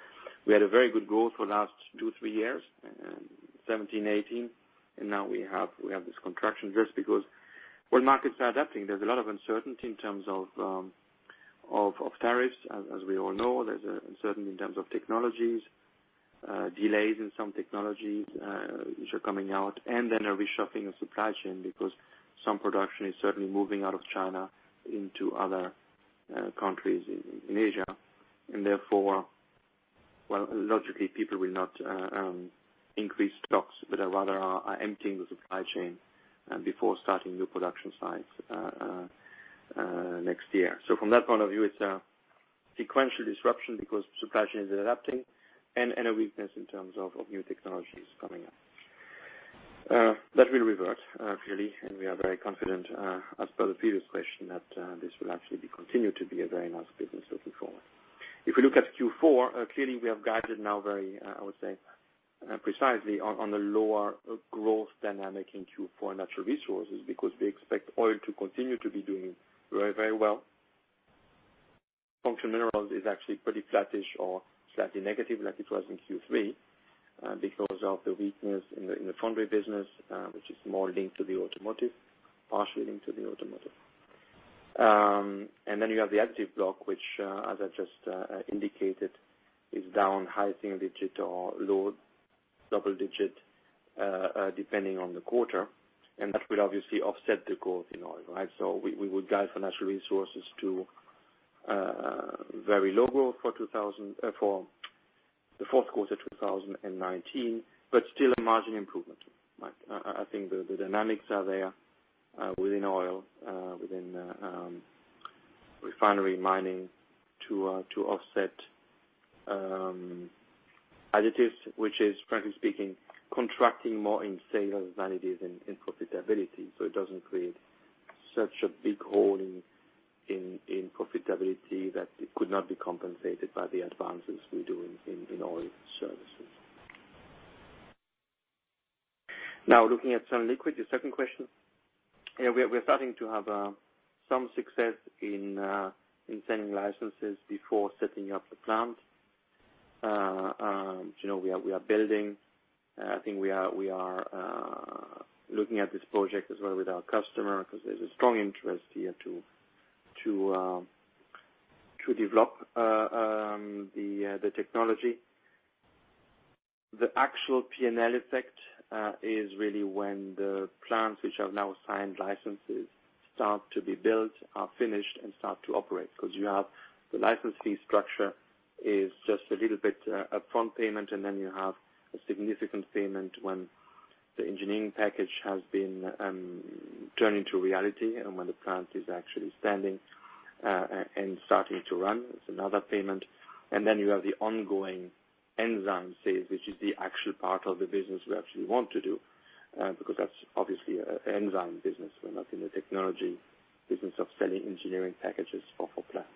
We had a very good growth for the last two, three years, 2017, 2018, and now we have this contraction just because oil markets are adapting. There's a lot of uncertainty in terms of tariffs, as we all know. There's uncertainty in terms of technologies, delays in some technologies which are coming out, and then a reshuffling of supply chain because some production is certainly moving out of China into other countries in Asia. Therefore, well, logically, people will not increase stocks, but rather are emptying the supply chain before starting new production sites next year. From that point of view, it's a sequential disruption because supply chain is adapting and a weakness in terms of new technologies coming up. That will revert, clearly, and we are very confident, as per the previous question, that this will actually continue to be a very nice business looking forward. We look at Q4, clearly we have guided now very, I would say, precisely on the lower growth dynamic in Q4 Natural Resources because we expect Oil to continue to be doing very well. Functional Minerals is actually pretty flattish or slightly negative like it was in Q3 because of the weakness in the foundry business, which is more linked to the automotive, partially linked to the automotive. Then you have the Additives block, which, as I just indicated, is down high single digit or low double digit, depending on the quarter, and that will obviously offset the growth in Oil. We would guide for Natural Resources to very low growth for the fourth quarter 2019, but still a margin improvement. I think the dynamics are there within oil, within refinery mining to offset Additives, which is frankly speaking, contracting more in sales than it is in profitability, so it doesn't create such a big hole in profitability that it could not be compensated by the advances we do in Oil Services. Looking at sunliquid, your second question. We're starting to have some success in signing licenses before setting up the plant. We are building. I think we are looking at this project as well with our customer, because there's a strong interest here to develop the technology. The actual P&L effect is really when the plants, which have now signed licenses, start to be built, are finished, and start to operate. The license fee structure is just a little bit upfront payment, then you have a significant payment when the engineering package has been turned into reality and when the plant is actually standing and starting to run, it's another payment. You have the ongoing enzyme sales, which is the actual part of the business we actually want to do, because that's obviously an enzyme business. We're not in the technology business of selling engineering packages for plants.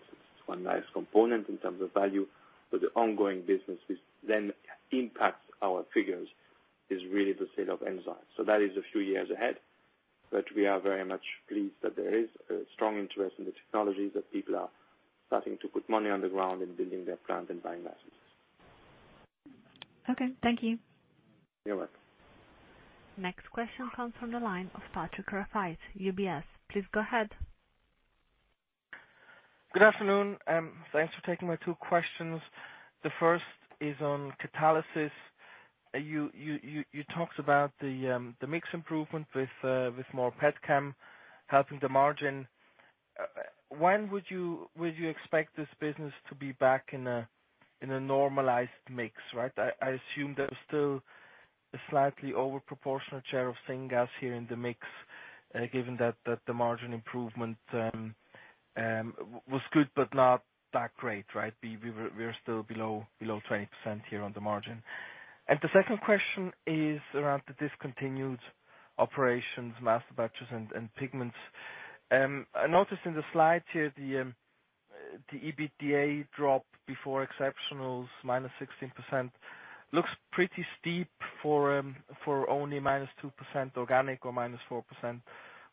It's one nice component in terms of value, but the ongoing business which then impacts our figures is really the sale of enzymes. That is a few years ahead, but we are very much pleased that there is a strong interest in the technology, that people are starting to put money on the ground in building their plant and buying licenses. Okay. Thank you. You're welcome. Next question comes from the line of Patrick Rafaisz, UBS. Please go ahead. Good afternoon. Thanks for taking my two questions. The first is on Catalysis. You talked about the mix improvement with more petchem helping the margin. When would you expect this business to be back in a normalized mix? I assume there is still a slightly overproportional share of syngas here in the mix, given that the margin improvement was good but not that great, right? We are still below 20% here on the margin. The second question is around the discontinued operations, Masterbatches, and Pigments. I noticed in the slide here, the EBITDA drop before exceptionals, -16%, looks pretty steep for only -2% organic or -4%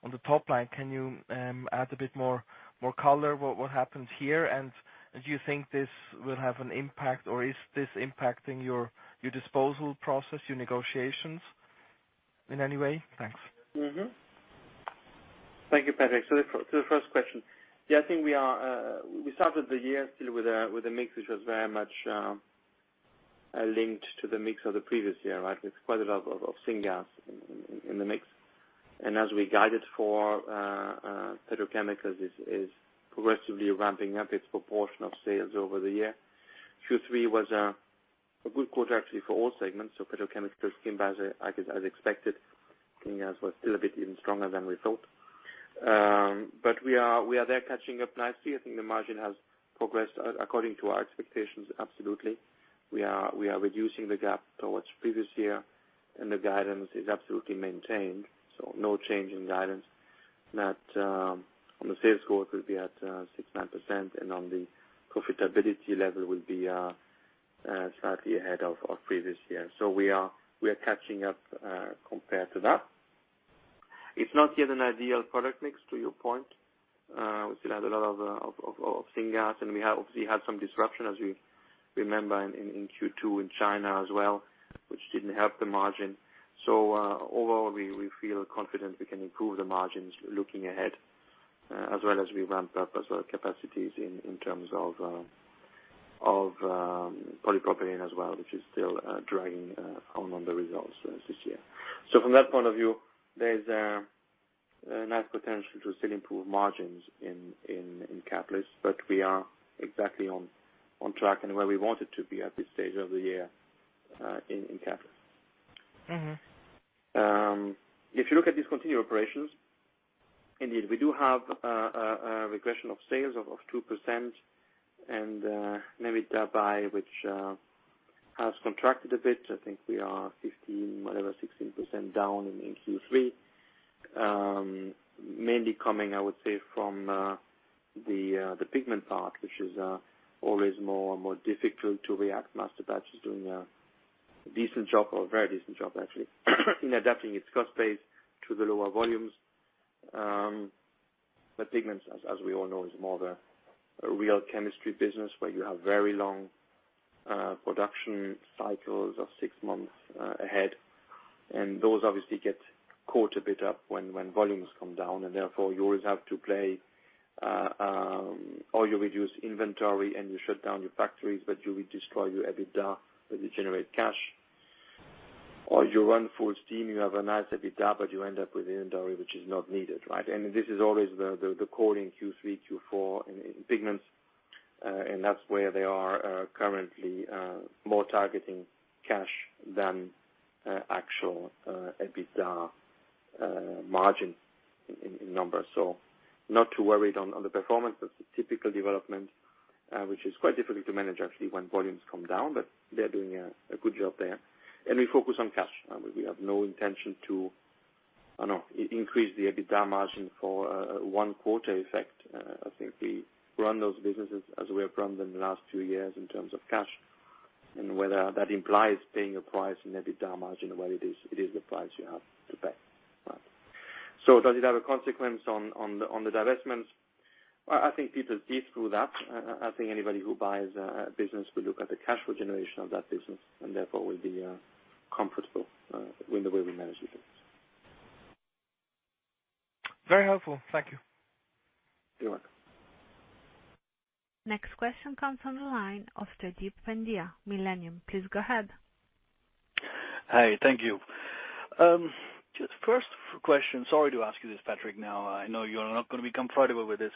on the top line. Can you add a bit more color what happened here? Do you think this will have an impact, or is this impacting your disposal process, your negotiations in any any way? Thanks. Thank you, Patrick. To the first question, I think we started the year still with a mix which was very much linked to the mix of the previous year. With quite a lot of syngas in the mix. As we guided for petrochemicals, is progressively ramping up its proportion of sales over the year. Q3 was a good quarter actually for all segments. Petrochemicals came as expected. Syngas was still a bit even stronger than we thought. We are there catching up nicely. I think the margin has progressed according to our expectations, absolutely. We are reducing the gap towards previous year, and the guidance is absolutely maintained. No change in guidance. On the sales growth, we'll be at 6%-9%, and on the profitability level, we'll be slightly ahead of previous year. We are catching up compared to that. It's not yet an ideal product mix, to your point. We still have a lot of syngas, and we obviously had some disruption, as you remember in Q2 in China as well, which didn't help the margin. Overall, we feel confident we can improve the margins looking ahead, as well as we ramp up as well capacities in terms of polypropylene as well, which is still dragging on the results this year. From that point of view, there is a nice potential to still improve margins in catalysts. We are exactly on track and where we wanted to be at this stage of the year in catalysts. If you look at discontinued operations, indeed, we do have a regression of sales of 2% and maybe Dubai, which has contracted a bit. I think we are 15%, whatever, 16% down in Q3. Mainly coming, I would say, from the Pigments part, which is always more difficult to react. Masterbatches is doing a decent job or a very decent job actually in adapting its cost base to the lower volumes. Pigments, as we all know, is more the real chemistry business where you have very long production cycles of six months ahead. Those obviously get caught a bit up when volumes come down and therefore you always have to play or you reduce inventory and you shut down your factories, but you will destroy your EBITDA as you generate cash. Or you run full steam, you have a nice EBITDA, but you end up with inventory which is not needed. This is always the call in Q3, Q4 in Pigments. That's where they are currently more targeting cash than actual EBITDA margin in numbers. Not too worried on the performance. That's the typical development, which is quite difficult to manage actually when volumes come down, but they're doing a good job there. We focus on cash. We have no intention to increase the EBITDA margin for one quarter effect. I think we run those businesses as we have run them the last two years in terms of cash, and whether that implies paying a price in EBITDA margin, well, it is the price you have to pay. Does it have a consequence on the divestments? I think people disagree with that. I think anybody who buys a business will look at the cash flow generation of that business, and therefore will be comfortable with the way we manage the business. Very helpful. Thank you. You're welcome. Next question comes from the line of Jaideep Pandya, Millennium. Please go ahead. Hi. Thank you. First question, sorry to ask you this, Patrick, now. I know you're not going to be comfortable with this.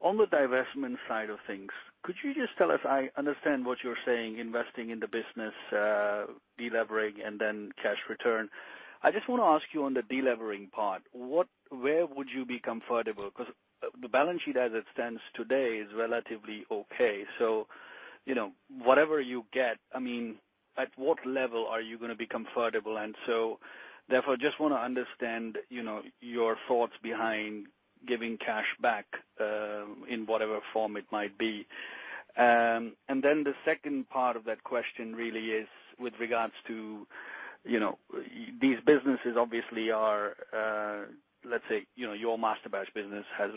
On the divestment side of things, could you just tell us? I understand what you're saying, investing in the business, de-levering, and then cash return. I just want to ask you on the de-levering part, where would you be comfortable? The balance sheet as it stands today is relatively okay. Whatever you get, at what level are you going to be comfortable? Just want to understand your thoughts behind giving cash back, in whatever form it might be. The second part of that question really is with regards to these businesses, obviously, let's say, your Masterbatches business has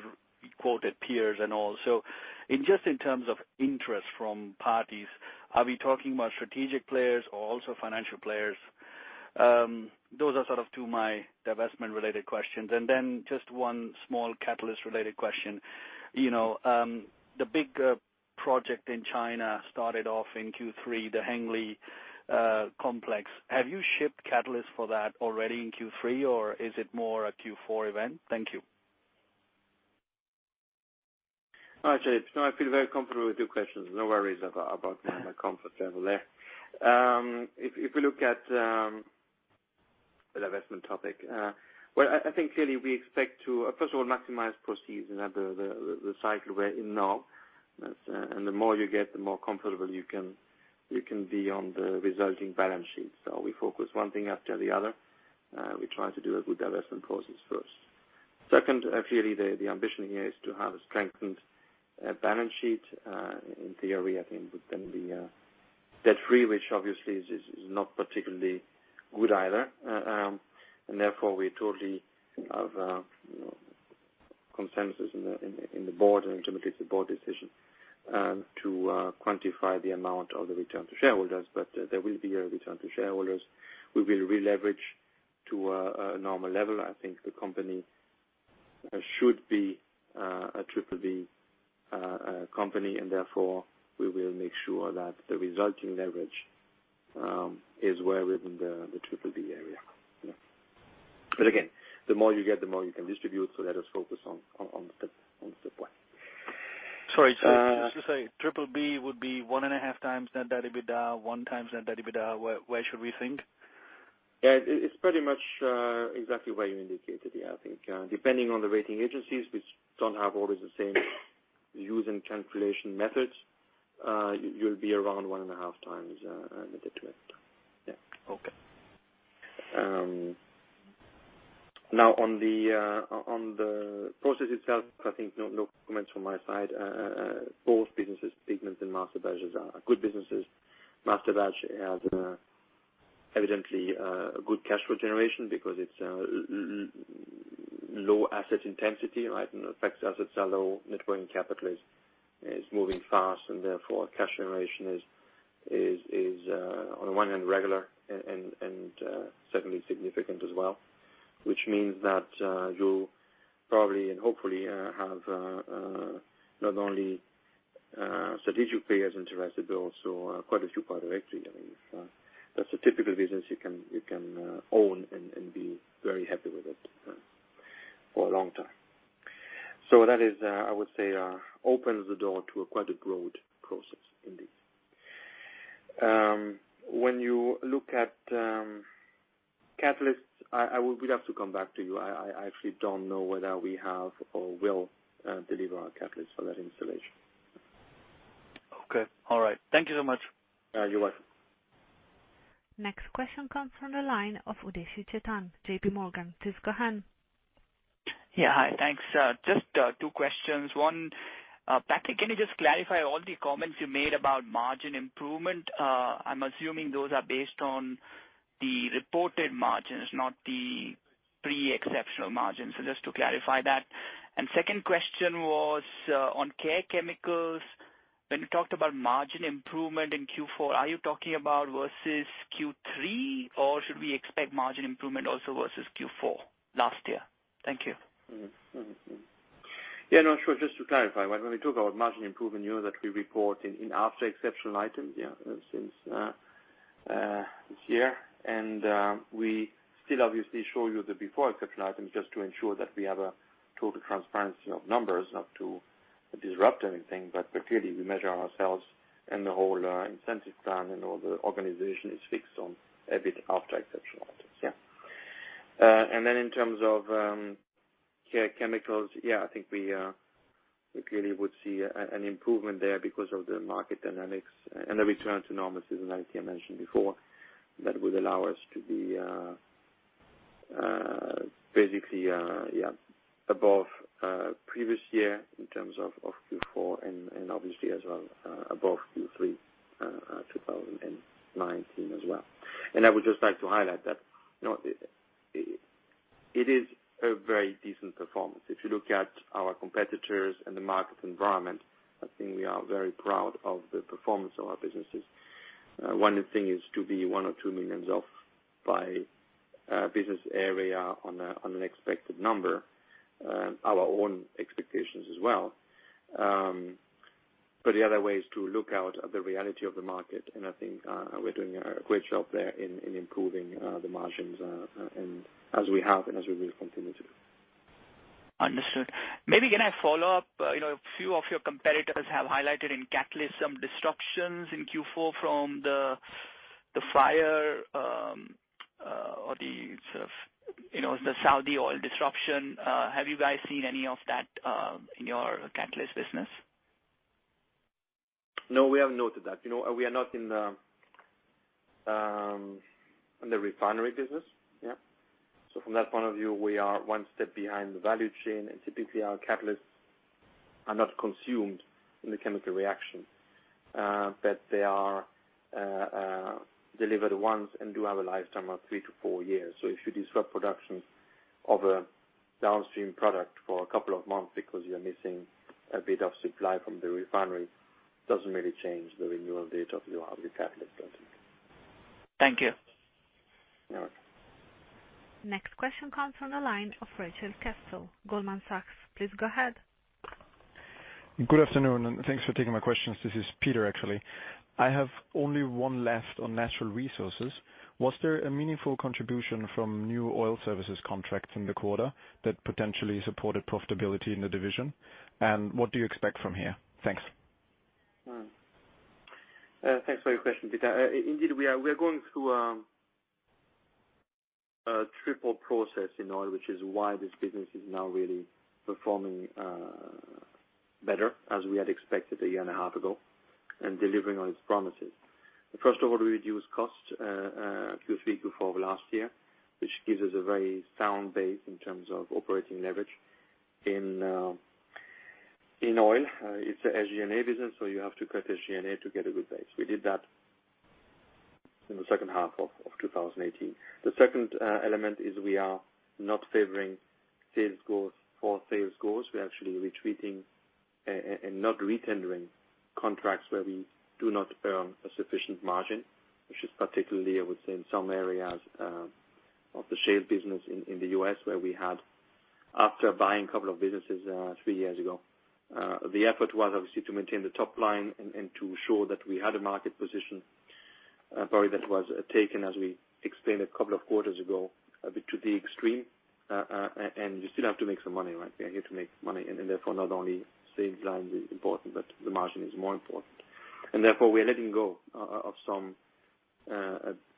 quoted peers and all. Just in terms of interest from parties, are we talking about strategic players or also financial players? Those are sort of two my divestment related questions. Just one small catalyst related question. The big project in China started off in Q3, the Hengli complex. Have you shipped catalysts for that already in Q3, or is it more a Q4 event? Thank you. All right, Jaideep. No, I feel very comfortable with your questions. No worries about my comfort level there. If you look at the divestment topic, well, I think clearly we expect to, first of all, maximize proceeds in the cycle we're in now. The more you get, the more comfortable you can be on the resulting balance sheet. We focus one thing after the other. We try to do a good divestment process first. Second, clearly, the ambition here is to have a strengthened balance sheet. In theory, I think we can be debt-free, which obviously is not particularly good either. Therefore, we totally have a consensus in the board, and ultimately it's the board decision, to quantify the amount of the return to shareholders, but there will be a return to shareholders. We will re-leverage to a normal level. I think the company should be a Triple B company, and therefore, we will make sure that the resulting leverage is well within the Triple B area. Again, the more you get, the more you can distribute, so let us focus on the plan. Sorry to interrupt. You say Triple B would be one and a half times net debt to EBITDA, one times net debt to EBITDA? Where should we think? Yeah. It's pretty much exactly where you indicated, yeah. I think depending on the rating agencies, which don't have always the same use and calculation methods, you'll be around one and a half times net debt to EBITDA. Yeah. Okay. Now on the process itself, I think no comments from my side. Both businesses, Pigments and Masterbatches, are good businesses. Masterbatches has evidently a good cash flow generation because it's low asset intensity, right? In effect, assets are low, net working capital is moving fast, and therefore, cash generation is, on one hand, regular, and secondly, significant as well, which means that you'll probably and hopefully have not only strategic players interested, but also quite a few private equity. I mean, that's a typical business you can own and be very happy with it for a long time. So that, I would say, opens the door to quite a broad process indeed. When you look at Catalysts, we'd have to come back to you. I actually don't know whether we have or will deliver our catalysts for that installation. Okay. All right. Thank you so much. You're welcome. Next question comes from the line of Chetan Udeshi, JPMorgan. Please go ahead. Yeah. Hi. Thanks. Just two questions. One, Patrick, can you just clarify all the comments you made about margin improvement? I'm assuming those are based on the reported margins, not the pre-exceptional margins. Just to clarify that. Second question was on Care Chemicals. When you talked about margin improvement in Q4, are you talking about versus Q3, or should we expect margin improvement also versus Q4 last year? Thank you. No. Sure. Just to clarify, when we talk about margin improvement, you know that we report in after exceptional items since this year. We still obviously show you the before exceptional items just to ensure that we have a total transparency of numbers, not to disrupt anything. Clearly, we measure ourselves and the whole incentive plan and all the organization is fixed on EBIT after exceptional items. Then in terms of Chemicals. I think we clearly would see an improvement there because of the market dynamics and a return to normal seasonality I mentioned before, that would allow us to be basically above previous year in terms of Q4 and obviously as well, above Q3 2019 as well. I would just like to highlight that it is a very decent performance. If you look at our competitors and the market environment, I think we are very proud of the performance of our businesses. One thing is to be one or two millions off by business area on an expected number, our own expectations as well. The other way is to look out at the reality of the market, and I think we're doing a great job there in improving the margins as we have and as we will continue to. Understood. Maybe can I follow up? A few of your competitors have highlighted in catalyst some disruptions in Q4 from the fire, or the Saudi oil disruption. Have you guys seen any of that in your catalyst business? No, we have noted that. We are not in the refinery business. Yeah. From that point of view, we are one step behind the value chain, and typically our catalysts are not consumed in the chemical reaction. They are delivered once and do have a lifetime of three to four years. If you disrupt production of a downstream product for a couple of months because you're missing a bit of supply from the refinery, doesn't really change the renewal date of your other catalyst, I think. Thank you. You're welcome. Next question comes from the line of Rikin Patel, Goldman Sachs. Please go ahead. Good afternoon, and thanks for taking my questions. This is Peter, actually. I have only one left on Natural Resources. Was there a meaningful contribution from new oil services contracts in the quarter that potentially supported profitability in the division? What do you expect from here? Thanks. Thanks for your question, Peter. Indeed, we are going through a triple process in Oil, which is why this business is now really performing better as we had expected a year and a half ago, and delivering on its promises. First of all, we reduced costs Q3 before last year, which gives us a very sound base in terms of operating leverage in Oil. It's a SG&A business, you have to cut SG&A to get a good base. We did that in the second half of 2018. The second element is we are not favoring sales goals for sales goals. We're actually retreating and not re-tendering contracts where we do not earn a sufficient margin, which is particularly, I would say, in some areas of the sales business in the U.S. where we had, after buying a couple of businesses three years ago. The effort was obviously to maintain the top line and to show that we had a market position, probably that was taken, as we explained a couple of quarters ago, a bit to the extreme. You still have to make some money, right? We are here to make money, and therefore, not only sales line is important, but the margin is more important. Therefore, we are letting go of some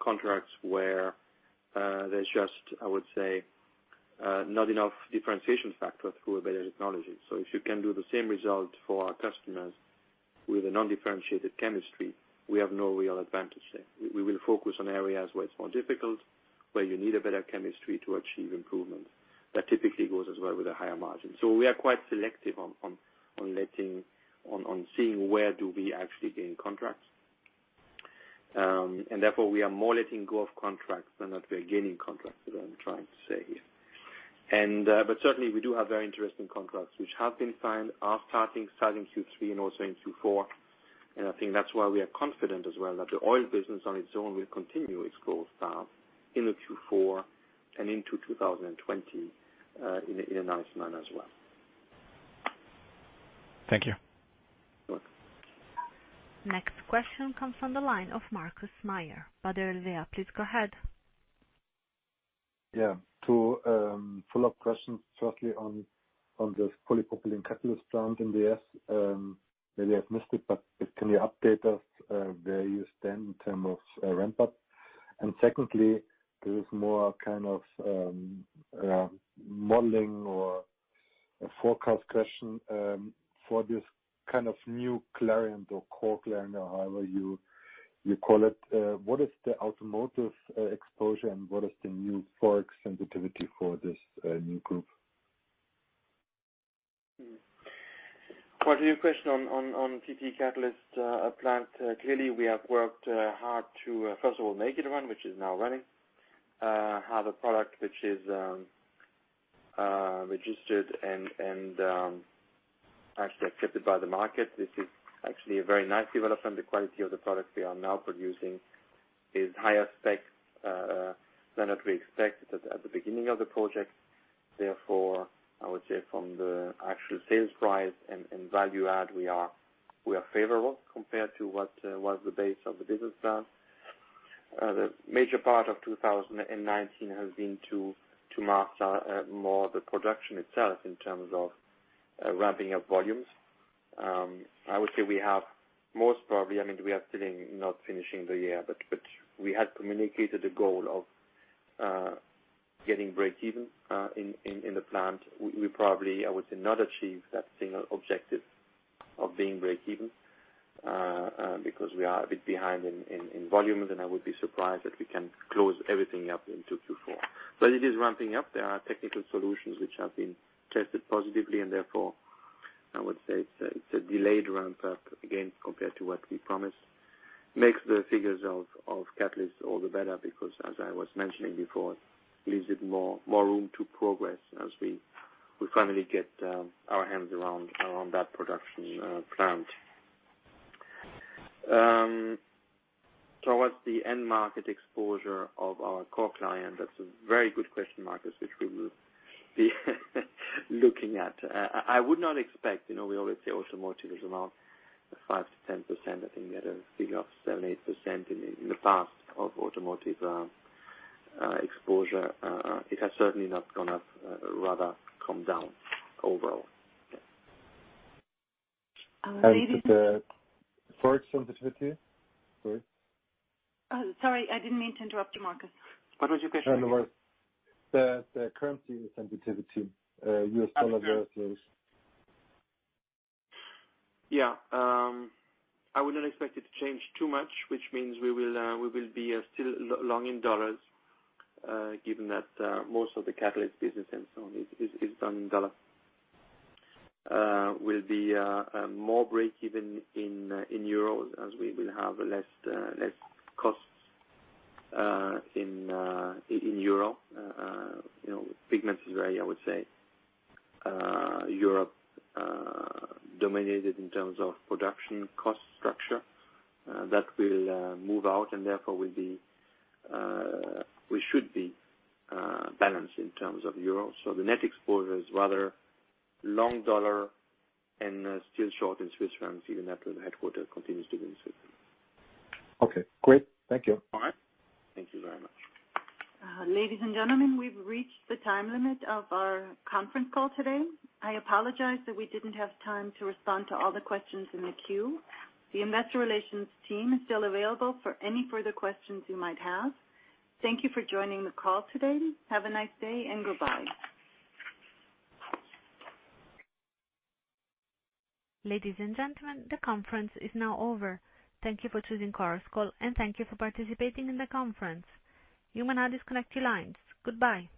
contracts where there's just, I would say, not enough differentiation factor through a better technology. If you can do the same result for our customers with a non-differentiated chemistry, we have no real advantage there. We will focus on areas where it's more difficult, where you need a better chemistry to achieve improvements. That typically goes as well with a higher margin. We are quite selective on seeing where do we actually gain contracts. Therefore, we are more letting go of contracts than that we're gaining contracts is what I'm trying to say here. Certainly, we do have very interesting contracts which have been signed, are starting Q3 and also in Q4. I think that's why we are confident as well that the oil business on its own will continue its growth path in the Q4 and into 2020, in a nice manner as well. Thank you. You're welcome. Next question comes from the line of Markus Mayer. Baader-Helvea, please go ahead. Two follow-up questions shortly on the polypropylene catalyst plant in the U.S. Maybe I've missed it, but can you update us where you stand in term of ramp up? Secondly, this is more kind of modeling or a forecast question. For this kind of new Clariant or core Clariant or however you call it, what is the automotive exposure and what is the new forex sensitivity for this new group? Well, to your question on polypropylene catalyst plant. Clearly, we have worked hard to, first of all, make it run, which is now running. Have a product which is registered and actually accepted by the market. This is actually a very nice development. The quality of the product we are now producing is higher specs than what we expected at the beginning of the project. I would say from the actual sales price and value add, we are favorable compared to what was the base of the business plan. The major part of 2019 has been to master more the production itself in terms of ramping up volumes. I would say we have most probably, we are still not finishing the year, but we had communicated the goal of getting breakeven in the plant. We probably, I would say, not achieve that same objective of being breakeven because we are a bit behind in volume, and I would be surprised if we can close everything up in 2024. It is ramping up. There are technical solutions which have been tested positively, and therefore, I would say it's a delayed ramp-up again, compared to what we promised. Makes the figures of catalysts all the better because, as I was mentioning before, leaves it more room to progress as we finally get our hands around that production plant. What's the end market exposure of our core client? That's a very good question, Markus, which we will be looking at. I would not expect, we always say automotive is around 5%-10%. I think we had a figure of 7%, 8% in the past of automotive exposure. It has certainly not gone up, rather come down overall. Yeah. The forex sensitivity? Sorry. Sorry, I didn't mean to interrupt you, Markus. What was your question? The currency sensitivity. U.S. dollar versus CHF. I would not expect it to change too much, which means we will be still long in dollars, given that most of the Catalysis business and so on is done in dollar. Will be more breakeven in euro, as we will have less costs in euro. Pigments is very, I would say, Europe-dominated in terms of production cost structure. That will move out, therefore we should be balanced in terms of euro. The net exposure is rather long dollar and still short in CHF, even after the headquarter continues to be in CHF. Okay, great. Thank you. All right. Thank you very much. Ladies and gentlemen, we've reached the time limit of our conference call today. I apologize that we didn't have time to respond to all the questions in the queue. The investor relations team is still available for any further questions you might have. Thank you for joining the call today. Have a nice day and goodbye. Ladies and gentlemen, the conference is now over. Thank you for choosing Chorus Call, and thank you for participating in the conference. You may now disconnect your lines. Goodbye.